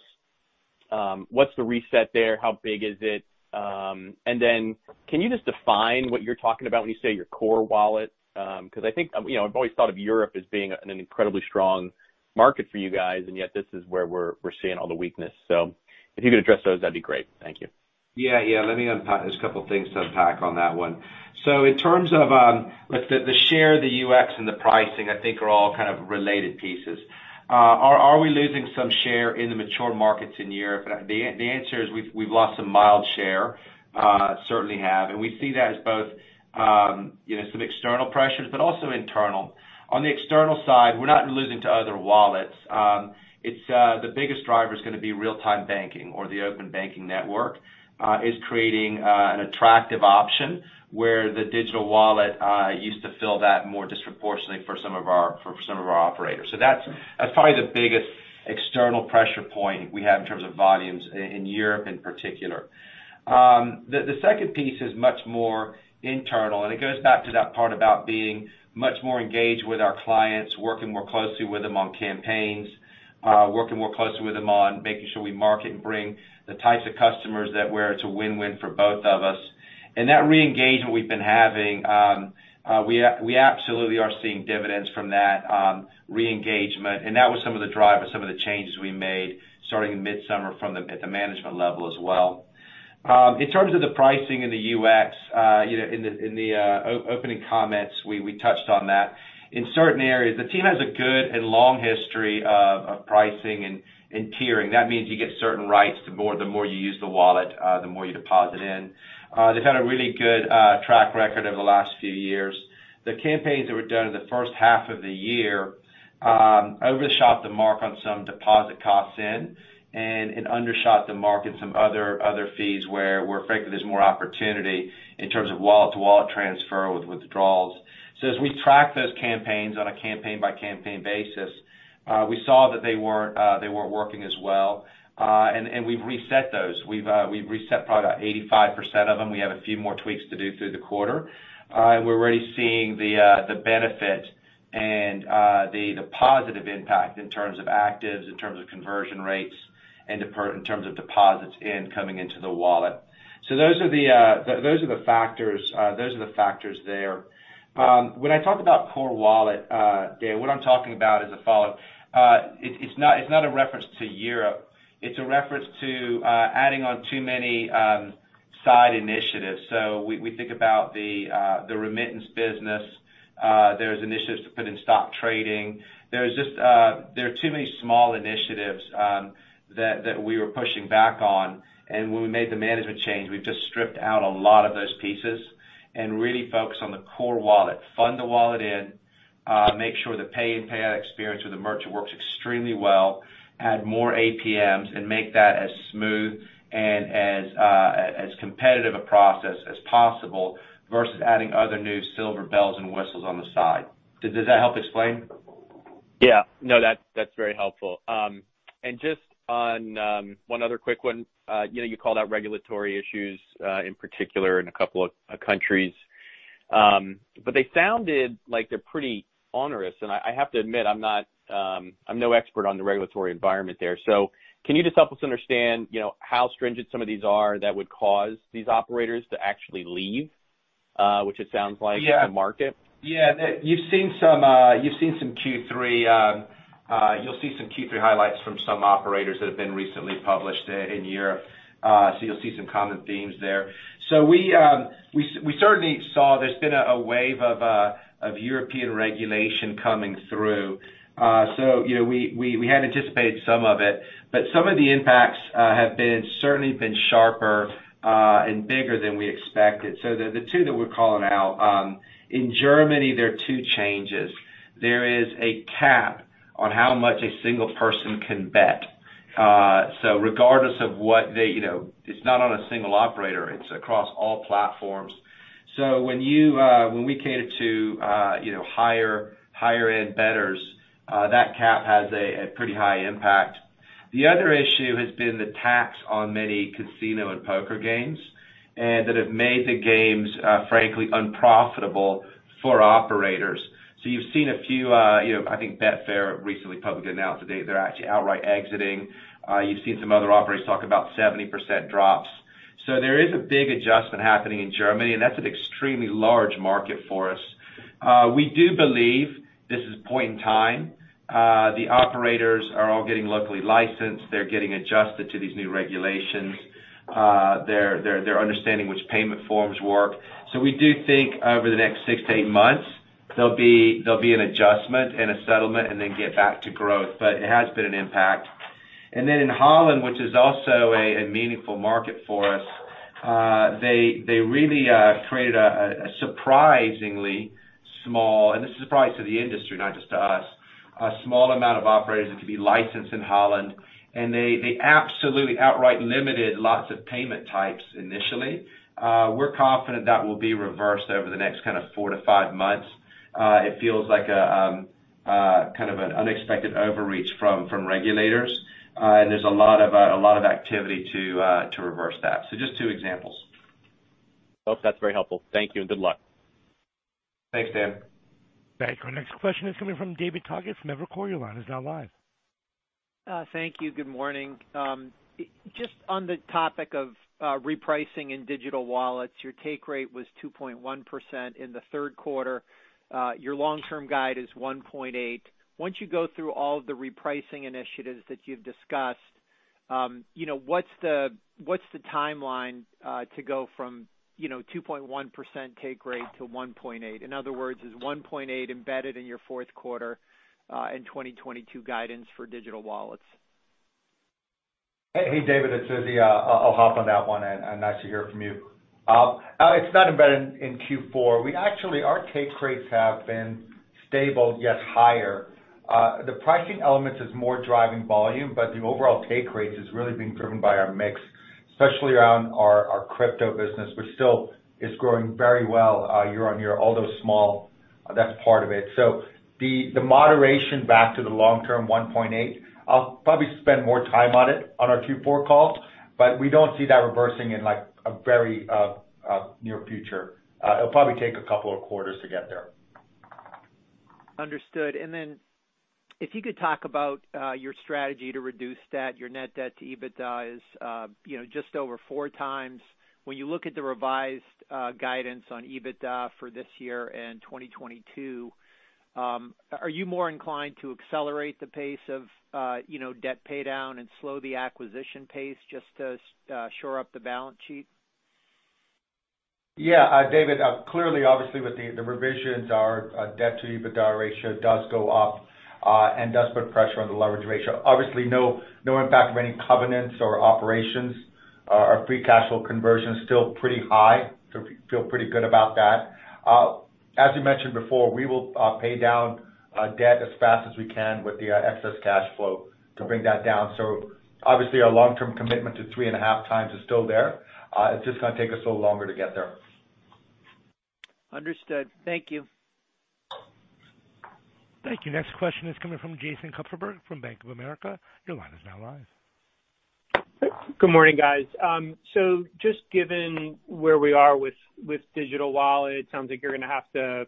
the reset there? How big is it? Can you just define what you're talking about when you say your core wallet? Because I think, you know, I've always thought of Europe as being an incredibly strong market for you guys, and yet this is where we're seeing all the weakness. If you could address those, that'd be great. Thank you. Yeah. Yeah. Let me unpack. There's a couple things to unpack on that one. In terms of the share, the UX, and the pricing, I think are all kind of related pieces. Are we losing some share in the mature markets in Europe? The answer is we've lost some mild share, certainly have. We see that as both, you know, some external pressures, but also internal. On the external side, we're not losing to other wallets. It's the biggest driver is gonna be real-time banking or the open banking network is creating an attractive option where the digital wallet used to fill that more disproportionately for some of our operators. That's probably the biggest external pressure point we have in terms of volumes in Europe in particular. The second piece is much more internal, and it goes back to that part about being much more engaged with our clients, working more closely with them on campaigns, working more closely with them on making sure we market and bring the types of customers that where it's a win-win for both of us. That re-engagement we've been having, we absolutely are seeing dividends from that re-engagement, and that was some of the drive of some of the changes we made starting midsummer at the management level as well. In terms of the pricing in the UX, you know, in the opening comments, we touched on that. In certain areas, the team has a good and long history of pricing and tiering. That means you get certain rights, the more you use the wallet, the more you deposit in. They've had a really good track record over the last few years. The campaigns that were done in the first half of the year overshot the mark on some deposit costs, and it undershot the mark in some other fees where we're effective. There's more opportunity in terms of wallet-to-wallet transfer with withdrawals. As we track those campaigns on a campaign-by-campaign basis, we saw that they weren't working as well. We've reset those. We've reset probably about 85% of them. We have a few more tweaks to do through the quarter. We're already seeing the benefit and the positive impact in terms of actives, in terms of conversion rates, and in terms of deposits coming into the wallet. Those are the factors there. When I talk about core wallet, Dan, what I'm talking about is the following. It's not a reference to Europe. It's a reference to adding on too many side initiatives. We think about the remittance business. There's initiatives to put in stock trading. There are too many small initiatives that we were pushing back on. When we made the management change, we've just stripped out a lot of those pieces and really focus on the core wallet. Fund the wallet in, make sure the pay-in, pay-out experience with the merchant works extremely well, add more APMs and make that as smooth and as competitive a process as possible versus adding other new bells and whistles on the side. Does that help explain? Yeah. No, that's very helpful. Just on one other quick one. You know, you called out regulatory issues in particular in a couple of countries. They sounded like they're pretty onerous. I have to admit, I'm not. I'm no expert on the regulatory environment there. Can you just help us understand, you know, how stringent some of these are that would cause these operators to actually leave, which it sounds like- Yeah. - the market? Yeah. You've seen some Q3 highlights from some operators that have been recently published in Europe. You'll see some common themes there. We certainly saw there's been a wave of European regulation coming through. You know, we had anticipated some of it. Some of the impacts have been sharper and bigger than we expected. The two that we're calling out in Germany, there are two changes. There is a cap on how much a single person can bet. Regardless of what they, you know, it's not on a single operator, it's across all platforms. When we cater to, you know, higher-end bettors, that cap has a pretty high impact. The other issue has been the tax on many casino and poker games, and that have made the games, frankly unprofitable for operators. You've seen a few, you know, I think Betfair recently publicly announced today they're actually outright exiting. You've seen some other operators talk about 70% drops. There is a big adjustment happening in Germany, and that's an extremely large market for us. We do believe this is a point in time. The operators are all getting locally licensed. They're getting adjusted to these new regulations. They're understanding which payment forms work. We do think over the next 6-8 months, there'll be an adjustment and a settlement and then get back to growth. It has been an impact. In Holland, which is also a meaningful market for us, they really created a surprisingly small, and this is a surprise to the industry, not just to us, a small amount of operators that could be licensed in Holland. They absolutely outright limited lots of payment types initially. We're confident that will be reversed over the next kind of 4-5 months. It feels like a kind of an unexpected overreach from regulators. There's a lot of activity to reverse that. Just two examples. Well, that's very helpful. Thank you, and good luck. Thanks, Dan. Thank you. Our next question is coming from David Togut from Evercore. Your line is now live. Thank you. Good morning. Just on the topic of repricing in digital wallets, your take rate was 2.1% in the third quarter. Your long-term guide is 1.8%. Once you go through all of the repricing initiatives that you've discussed, you know, what's the timeline to go from, you know, 2.1% take rate to 1.8%? In other words, is 1.8% embedded in your fourth quarter in 2022 guidance for Digital Wallets? Hey, David, it's Izzy. I'll hop on that one, and nice to hear from you. It's not embedded in Q4. We actually, our take rates have been stable, yet higher. The pricing elements is more driving volume, but the overall take rates is really being driven by our mix, especially around our crypto business, which still is growing very well year-over-year, although small. That's part of it. The moderation back to the long-term 1.8%, I'll probably spend more time on it on our Q4 call. We don't see that reversing in, like, a very near future. It'll probably take a couple of quarters to get there. Understood. If you could talk about your strategy to reduce debt. Your net debt to EBITDA is, you know, just over four times. When you look at the revised guidance on EBITDA for this year and 2022, are you more inclined to accelerate the pace of, you know, debt paydown and slow the acquisition pace just to shore up the balance sheet? Yeah. David, clearly, obviously, with the revisions, our debt to EBITDA ratio does go up, and does put pressure on the leverage ratio. Obviously, no impact of any covenants or operations. Our free cash flow conversion is still pretty high. We feel pretty good about that. As you mentioned before, we will pay down debt as fast as we can with the excess cash flow to bring that down. Obviously our long-term commitment to 3.5 times is still there. It's just gonna take us a little longer to get there. Understood. Thank you. Thank you. Next question is coming from Jason Kupferberg from Bank of America. Your line is now live. Good morning, guys. Just given where we are with Digital Wallets, sounds like you're gonna have to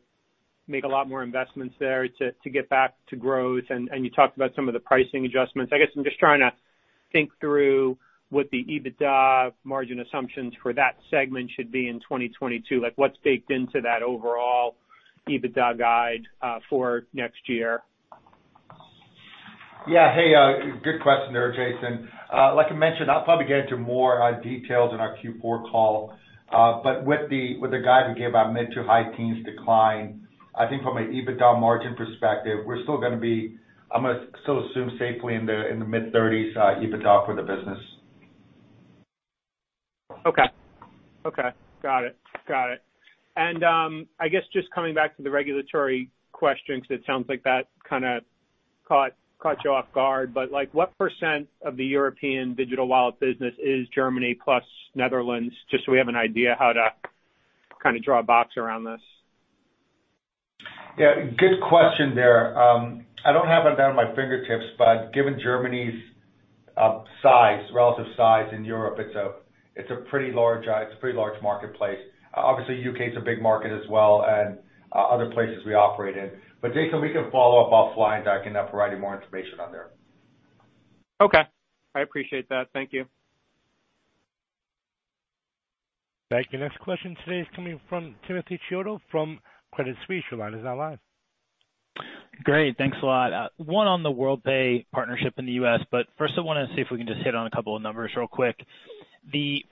make a lot more investments there to get back to growth. You talked about some of the pricing adjustments. I guess I'm just trying to think through what the EBITDA margin assumptions for that segment should be in 2022. Like, what's baked into that overall EBITDA guide, for next year? Hey, good question there, Jason. Like I mentioned, I'll probably get into more details in our Q4 call. With the guide we gave our mid- to high-teens decline, I think from an EBITDA margin perspective, I'm gonna still assume safely in the mid-30s EBITDA for the business. Got it. I guess just coming back to the regulatory question, 'cause it sounds like that kinda caught you off guard. Like, what percent of the European Digital Wallet business is Germany plus Netherlands, just so we have an idea how to kinda draw a box around this? Yeah, good question there. I don't have that at my fingertips, but given Germany's size, relative size in Europe, it's a pretty large marketplace. Obviously, U.K. is a big market as well and other places we operate in. Jason, we can follow up offline. I can provide you more information on that. Okay. I appreciate that. Thank you. Thank you. Next question today is coming from Timothy Chiodo from Credit Suisse. Your line is now live. Great. Thanks a lot. One on the Worldpay partnership in the U.S. First I wanna see if we can just hit on a couple of numbers real quick.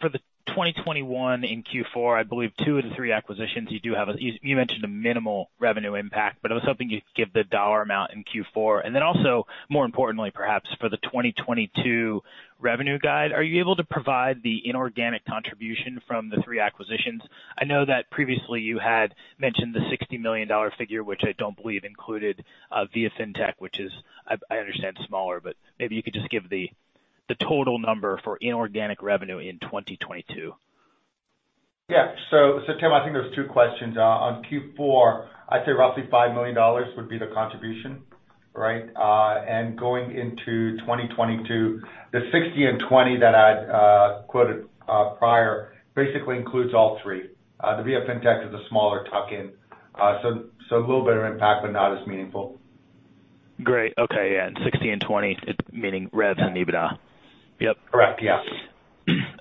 For the 2021 in Q4, I believe two of the three acquisitions you mentioned a minimal revenue impact, but I was hoping you'd give the dollar amount in Q4. Then also, more importantly, perhaps for the 2022 revenue guide, are you able to provide the inorganic contribution from the three acquisitions? I know that previously you had mentioned the $60 million figure, which I don't believe included viafintech, which I understand, smaller. Maybe you could just give the total number for inorganic revenue in 2022. Yeah, Tim, I think there's two questions. On Q4, I'd say roughly $5 million would be the contribution, right? And going into 2022, the 60% and 20% that I'd quoted prior basically includes all three. The viafintech is a smaller tuck-in, so a little bit of impact, but not as meaningful. Great. Okay. Yeah. 60% and 20%, meaning revs and EBITDA? Yep. Correct. Yeah.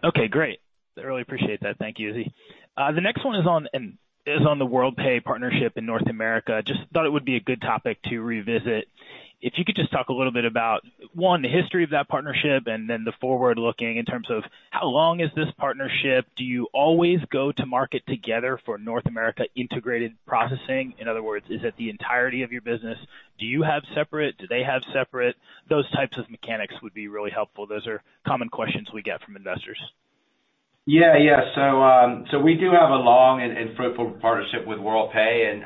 Okay, great. I really appreciate that. Thank you, Izzy. The next one is on the Worldpay partnership in North America. Just thought it would be a good topic to revisit. If you could just talk a little bit about, one, the history of that partnership, and then the forward-looking in terms of how long is this partnership? Do you always go to market together for North America integrated processing? In other words, is it the entirety of your business? Do you have separate? Do they have separate? Those types of mechanics would be really helpful. Those are common questions we get from investors. Yeah. We do have a long and fruitful partnership with Worldpay,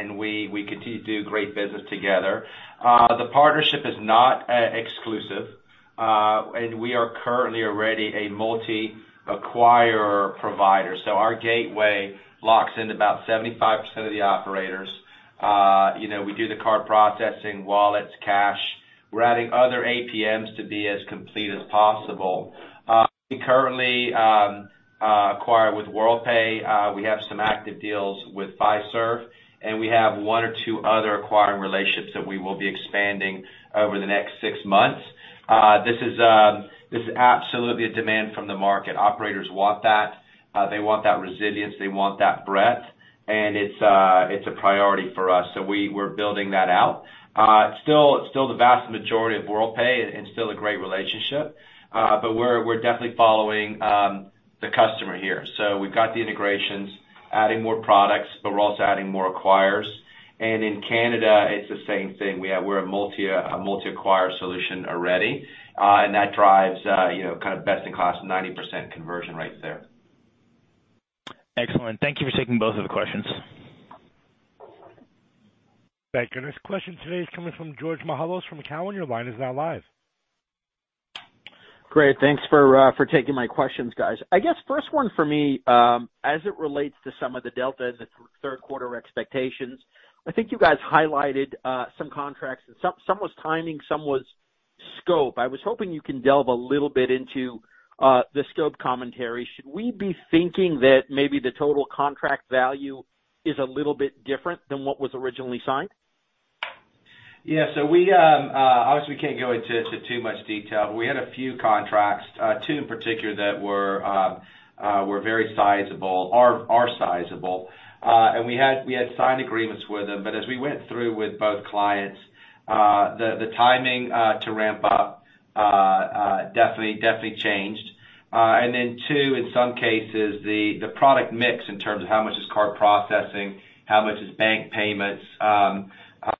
and we continue to do great business together. The partnership is not exclusive, and we are currently already a multi-acquirer provider. Our gateway locks in about 75% of the operators. You know, we do the card processing, wallets, cash. We're adding other APMs to be as complete as possible. We currently acquire with Worldpay. We have some active deals with Fiserv. We have one or two other acquiring relationships that we will be expanding over the next six months. This is absolutely a demand from the market. Operators want that. They want that resilience. They want that breadth. It's a priority for us, so we're building that out. Still, it's the vast majority of Worldpay and still a great relationship. But we're definitely following the customer here. We've got the integrations, adding more products, but we're also adding more acquirers. In Canada, it's the same thing. We're a multi-acquirer solution already, and that drives you know, kind of best-in-class 90% conversion rates there. Excellent. Thank you for taking both of the questions. Thank you. Next question today is coming from George Mihalos from Cowen. Your line is now live. Great. Thanks for taking my questions, guys. I guess first one for me, as it relates to some of the delta in the third quarter expectations, I think you guys highlighted some contracts and some was timing, some was scope. I was hoping you can delve a little bit into the scope commentary. Should we be thinking that maybe the total contract value is a little bit different than what was originally signed? We obviously can't go into too much detail. We had a few contracts, two in particular that were very sizable and are sizable. We had signed agreements with them. As we went through with both clients, the timing to ramp up definitely changed. Then, too, in some cases, the product mix in terms of how much is card processing, how much is bank payments,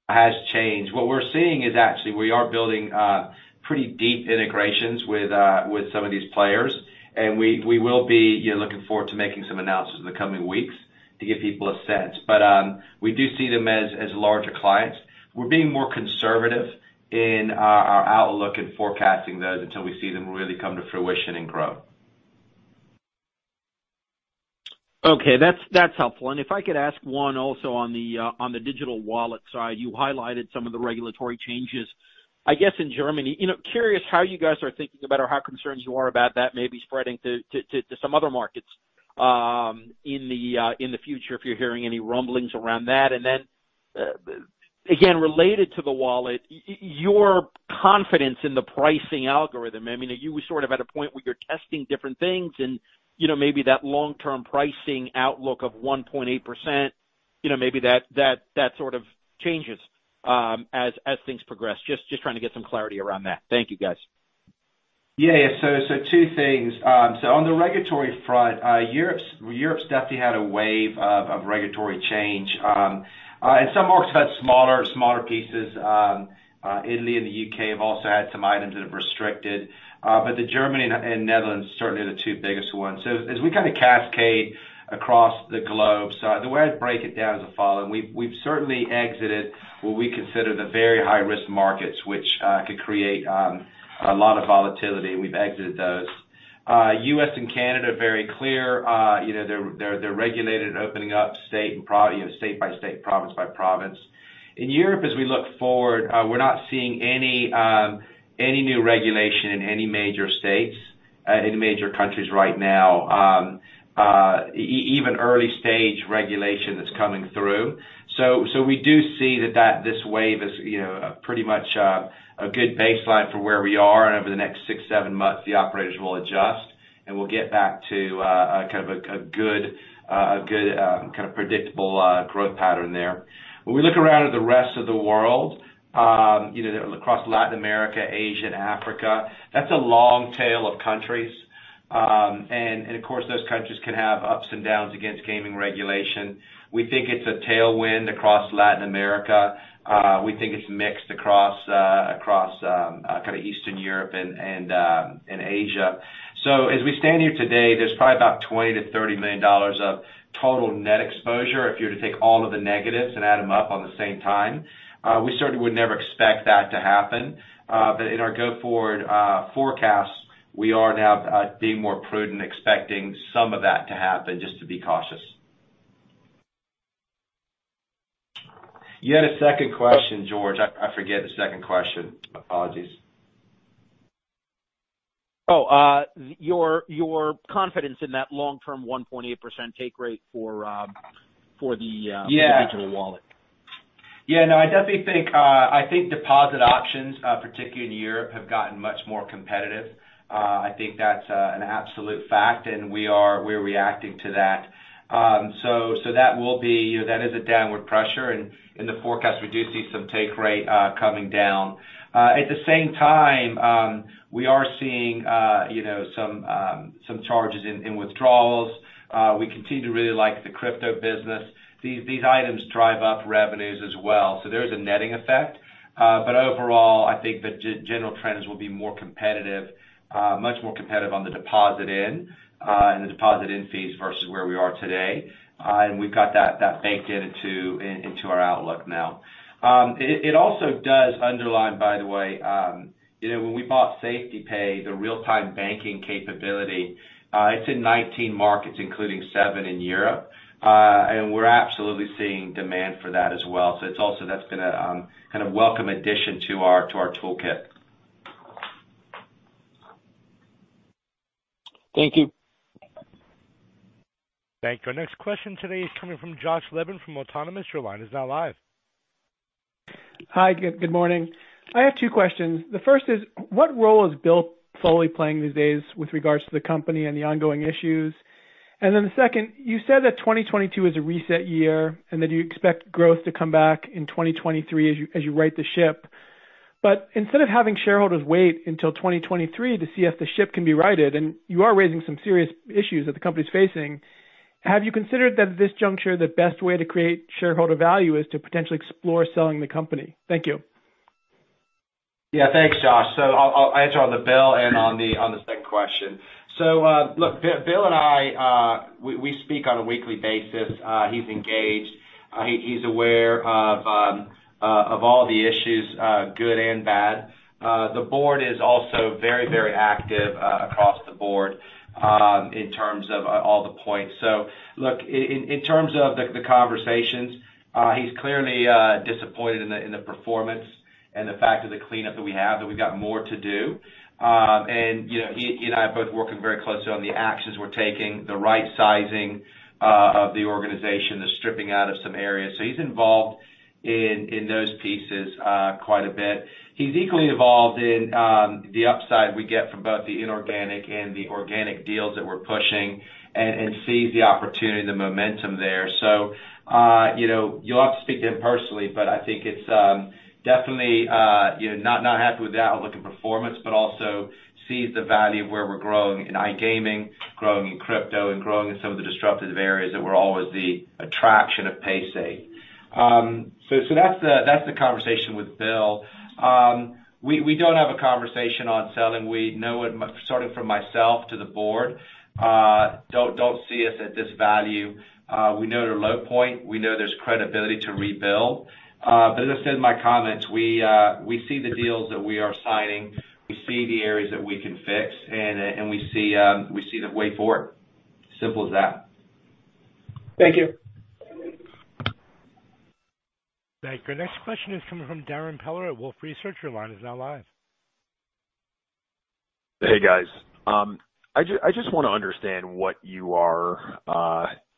has changed. What we're seeing is actually we are building pretty deep integrations with some of these players, and we will be looking forward to making some announcements in the coming weeks to give people a sense. We do see them as larger clients. We're being more conservative in our outlook and forecasting those until we see them really come to fruition and grow. That's helpful. If I could ask one also on the Digital Wallet side. You highlighted some of the regulatory changes, I guess, in Germany. You know, curious how you guys are thinking about or how concerned you are about that maybe spreading to some other markets in the future, if you're hearing any rumblings around that. Then, again, related to the wallet, your confidence in the pricing algorithm. I mean, are you sort of at a point where you're testing different things and, you know, maybe that long-term pricing outlook of 1.8%, you know, maybe that sort of changes as things progress? Just trying to get some clarity around that. Thank you, guys. Yeah, yeah. Two things. On the regulatory front, Europe's definitely had a wave of regulatory change. Some markets have had smaller pieces. Italy and the U.K. have also had some items that have restricted, but Germany and Netherlands certainly are the two biggest ones. As we kind of cascade across the globe, the way I'd break it down is the following. We've certainly exited what we consider the very high-risk markets, which could create a lot of volatility. We've exited those. U.S. and Canada, very clear. You know, they're regulated, opening up state by state, province by province. In Europe, as we look forward, we're not seeing any new regulation in any major countries right now, even early-stage regulation that's coming through. We do see that this wave as, you know, a pretty much a good baseline for where we are. Over the next 6-7 months, the operators will adjust, and we'll get back to a kind of good, kind of predictable growth pattern there. When we look around at the rest of the world, you know, across Latin America, Asia, and Africa, that's a long tail of countries. Of course, those countries can have ups and downs against gaming regulation. We think it's a tailwind across Latin America. We think it's mixed across kind of Eastern Europe and Asia. As we stand here today, there's probably about $20 million-$30 million of total net exposure if you were to take all of the negatives and add them up at the same time. We certainly would never expect that to happen. In our going forward forecast, we are now being more prudent, expecting some of that to happen, just to be cautious. You had a second question, George. I forget the second question. Apologies. Your confidence in that long-term 1.8% take rate for the - Yeah. - for the Digital Wallet. Yeah, no, I definitely think deposit options, particularly in Europe, have gotten much more competitive. I think that's an absolute fact, and we're reacting to that. So that will be, you know, that is a downward pressure. In the forecast, we do see some take rate coming down. At the same time, we are seeing, you know, some charges in withdrawals. We continue to really like the crypto business. These items drive up revenues as well. There is a netting effect. Overall, I think the general trends will be more competitive, much more competitive on the deposit in fees versus where we are today. We've got that baked into our outlook now. It also does underline, by the way, you know, when we bought SafetyPay, the real-time banking capability, it's in 19 markets, including seven in Europe. We're absolutely seeing demand for that as well. It's also, that's been a kind of welcome addition to our toolkit. Thank you. Thank you. Our next question today is coming from Josh Levin from Autonomous. Your line is now live. Hi, good morning. I have two questions. The first is what role is Bill Foley playing these days with regards to the company and the ongoing issues? The second, you said that 2022 is a reset year and that you expect growth to come back in 2023 as you right the ship. Instead of having shareholders wait until 2023 to see if the ship can be righted, and you are raising some serious issues that the company is facing, have you considered that at this juncture, the best way to create shareholder value is to potentially explore selling the company? Thank you. Yeah, thanks, Josh. I'll answer on the Bill and on the second question. Look, Bill and I, we speak on a weekly basis. He's engaged. He's aware of all the issues, good and bad. The board is also very active across the board, in terms of all the points. Look, in terms of the conversations, he's clearly disappointed in the performance and the fact of the cleanup that we have, that we've got more to do. You know, he and I are both working very closely on the actions we're taking, the right sizing of the organization, the stripping out of some areas. He's involved in those pieces quite a bit. He's equally involved in the upside we get from both the inorganic and the organic deals that we're pushing and sees the opportunity, the momentum there. You know, you'll have to speak to him personally, but I think it's definitely you know not happy with the outlook and performance, but also sees the value of where we're growing in iGaming, growing in crypto, and growing in some of the disruptive areas that were always the attraction of Paysafe. That's the conversation with Bill. We don't have a conversation on selling. We know it, starting from myself to the board, don't see us at this value. We know at a low point, we know there's credibility to rebuild. As I said in my comments, we see the deals that we are signing, we see the areas that we can fix, and we see the way forward. Simple as that. Thank you. Thank you. Our next question is coming from Darrin Peller at Wolfe Research. Your line is now live. Hey, guys. I just wanna understand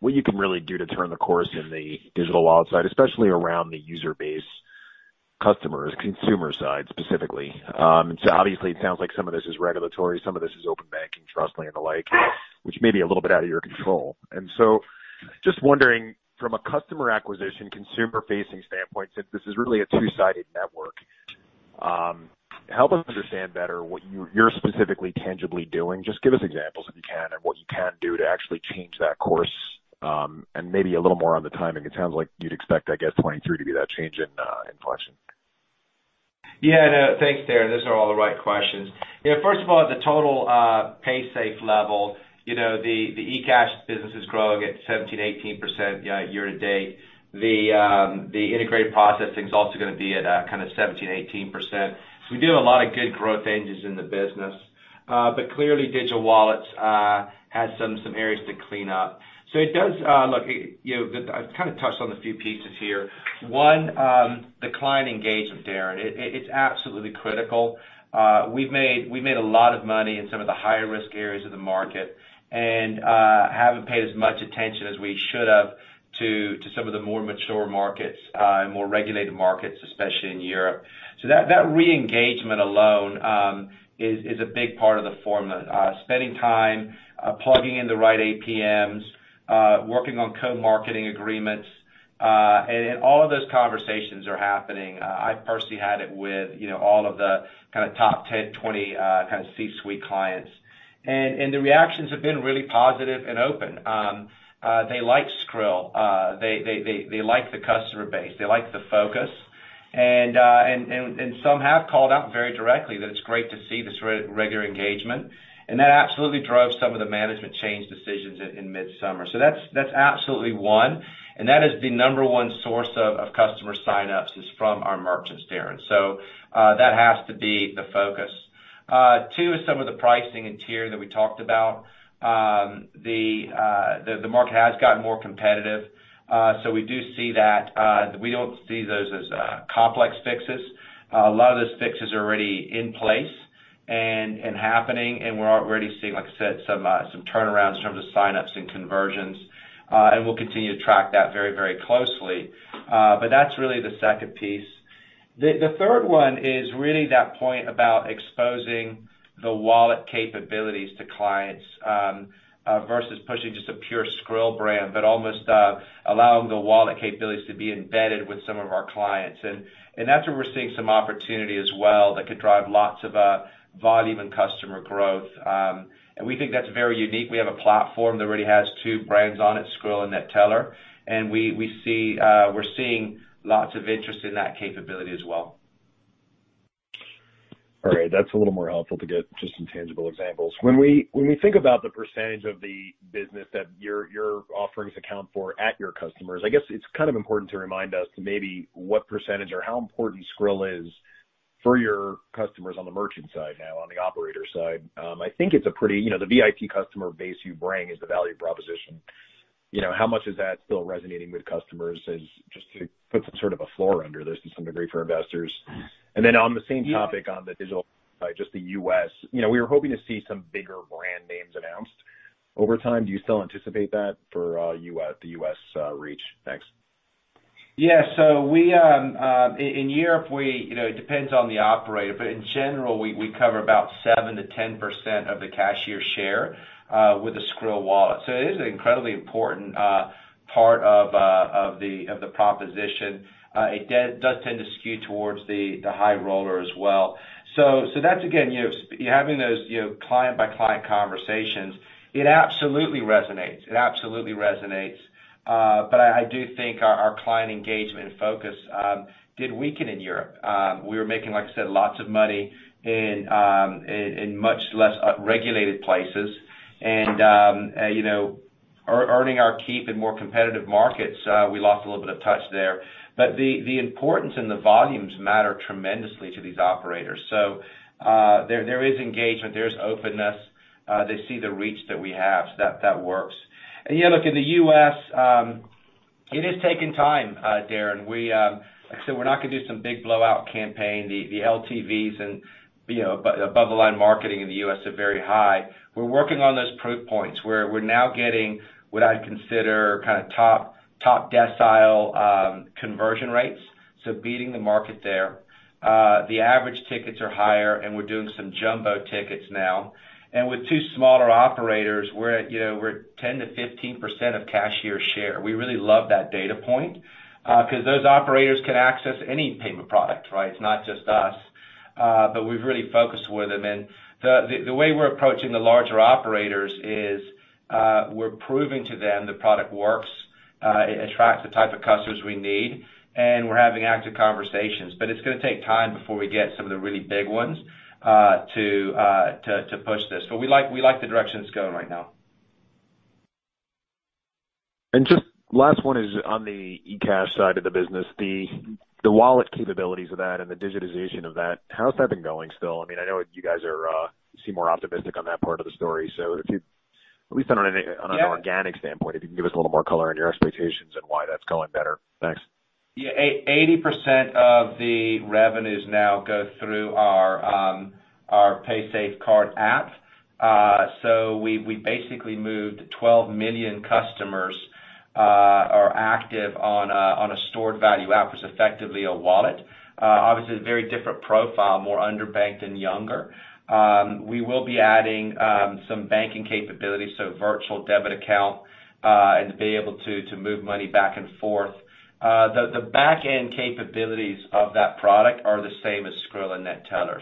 what you can really do to turn the course in the Digital Wallet side, especially around the user base customers, consumer side specifically. Obviously it sounds like some of this is regulatory, some of this is open banking, Trustly and the like, which may be a little bit out of your control. Just wondering from a customer acquisition, consumer-facing standpoint, since this is really a two-sided network, help us understand better what you're specifically tangibly doing. Just give us examples if you can, and what you can do to actually change that course. Maybe a little more on the timing. It sounds like you'd expect, I guess, 2023 to be that change in function. Yeah, no. Thanks, Darrin. Those are all the right questions. You know, first of all, at the total Paysafe level, you know, the eCash business is growing at 17%-18% year to date. The integrated processing is also gonna be at kind of 17%-18%. We do have a lot of good growth engines in the business. Clearly Digital Wallets has some areas to clean up. It does look, you know. I've kinda touched on a few pieces here. One, the client engagement, Darrin, it's absolutely critical. We've made a lot of money in some of the higher risk areas of the market and haven't paid as much attention as we should have to some of the more mature markets and more regulated markets, especially in Europe. That re-engagement alone is a big part of the formula. Spending time plugging in the right APMs, working on co-marketing agreements, and all of those conversations are happening. I personally had chats with you know all of the kinda top 10, 20 kinda C-suite clients. The reactions have been really positive and open. They like Skrill. They like the customer base, they like the focus. Some have called out very directly that it's great to see this re-engagement. That absolutely drove some of the management change decisions in midsummer. That's absolutely one, and that is the number one source of customer signups is from our merchants, Darrin. That has to be the focus. Two is some of the pricing and tier that we talked about. The market has gotten more competitive. We do see that. We don't see those as complex fixes. A lot of those fixes are already in place and happening, and we're already seeing, like I said, some turnarounds in terms of signups and conversions. We'll continue to track that very closely. That's really the second piece. The third one is really that point about exposing the wallet capabilities to clients versus pushing just a pure Skrill brand, but almost allowing the wallet capabilities to be embedded with some of our clients. That's where we're seeing some opportunity as well that could drive lots of volume and customer growth. We think that's very unique. We have a platform that already has two brands on it, Skrill and Neteller. We're seeing lots of interest in that capability as well. All right. That's a little more helpful to get just some tangible examples. When we think about the percentage of the business that your offerings account for at your customers, I guess it's kind of important to remind us maybe what percentage or how important Skrill is for your customers on the merchant side now, on the operator side. I think it's a pretty. You know, the VIP customer base you bring is the value proposition. You know, how much is that still resonating with customers as just to put some sort of a floor under this to some degree for investors? Then on the same topic, on the digital, just the U.S., you know, we were hoping to see some bigger brand names announced over time, do you still anticipate that for the U.S. reach? Thanks. Yeah. We, in Europe, you know, it depends on the operator, but in general, we cover about 7%-10% of the cashier share with the Skrill wallet. It is an incredibly important part of the proposition. It does tend to skew towards the high roller as well. That's again, you're having those, you know, client by client conversations. It absolutely resonates. I do think our client engagement focus did weaken in Europe. We were making, like I said, lots of money in much less regulated places. You know, earning our keep in more competitive markets, we lost a little bit of touch there. The importance and the volumes matter tremendously to these operators. There is engagement, there's openness, they see the reach that we have, so that works. You know, look, in the U.S., it is taking time, Darrin. We, like I said, we're not gonna do some big blowout campaign. The LTVs and, you know, above the line marketing in the U.S. are very high. We're working on those proof points where we're now getting what I'd consider kind of top decile conversion rates, so beating the market there. The average tickets are higher, and we're doing some jumbo tickets now. With two smaller operators, you know, we're at 10%-15% of cashier share. We really love that data point, 'cause those operators can access any payment product, right? It's not just us, but we've really focused with them. The way we're approaching the larger operators is we're proving to them the product works, it attracts the type of customers we need, and we're having active conversations. It's gonna take time before we get some of the really big ones to push this. We like the direction it's going right now. Just last one is on the eCash side of the business. The wallet capabilities of that and the digitization of that, how has that been going still? I mean, I know you guys seem more optimistic on that part of the story. At least on an organic standpoint, if you can give us a little more color on your expectations and why that's going better. Thanks. Yeah. 80% of the revenues now go through our paysafecard app. We basically moved 12 million customers who are active on a stored value app. It's effectively a wallet. Obviously a very different profile, more underbanked and younger. We will be adding some banking capabilities, so virtual debit account and to be able to move money back and forth. The back-end capabilities of that product are the same as Skrill and Neteller.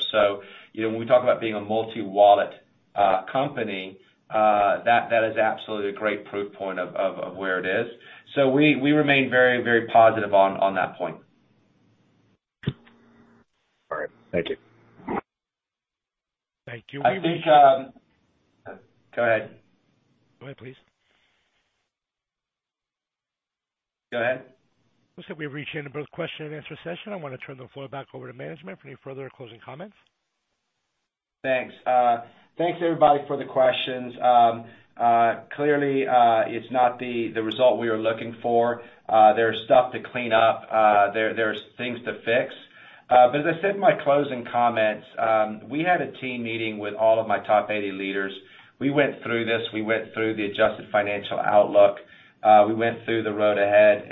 You know, when we talk about being a multi-wallet company, that is absolutely a great proof point of where it is. We remain very positive on that point. All right. Thank you. Thank you. I think. Go ahead. Go ahead, please. Go ahead. Looks like we've reached the end of both question and answer session. I wanna turn the floor back over to management for any further closing comments. Thanks. Thanks, everybody, for the questions. Clearly, it's not the result we were looking for. There's stuff to clean up. There's things to fix. As I said in my closing comments, we had a team meeting with all of my top 80 leaders. We went through this. We went through the adjusted financial outlook. We went through the road ahead.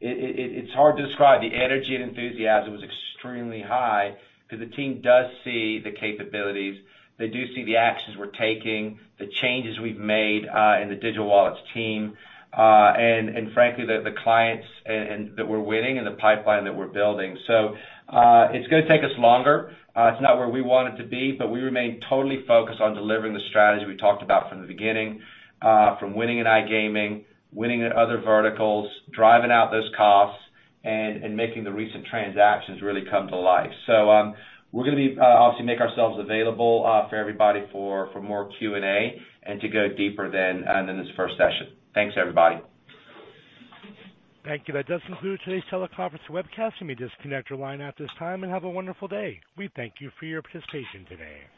It's hard to describe. The energy and enthusiasm was extremely high because the team does see the capabilities. They do see the actions we're taking, the changes we've made, in the Digital Wallets team, and frankly, the clients and that we're winning and the pipeline that we're building. It's gonna take us longer. It's not where we want it to be, but we remain totally focused on delivering the strategy we talked about from the beginning, from winning in iGaming, winning in other verticals, driving out those costs and making the recent transactions really come to life. We're gonna obviously make ourselves available for everybody for more Q&A and to go deeper than in this first session. Thanks, everybody. Thank you. That does conclude today's teleconference webcast. You may disconnect your line at this time, and have a wonderful day. We thank you for your participation today.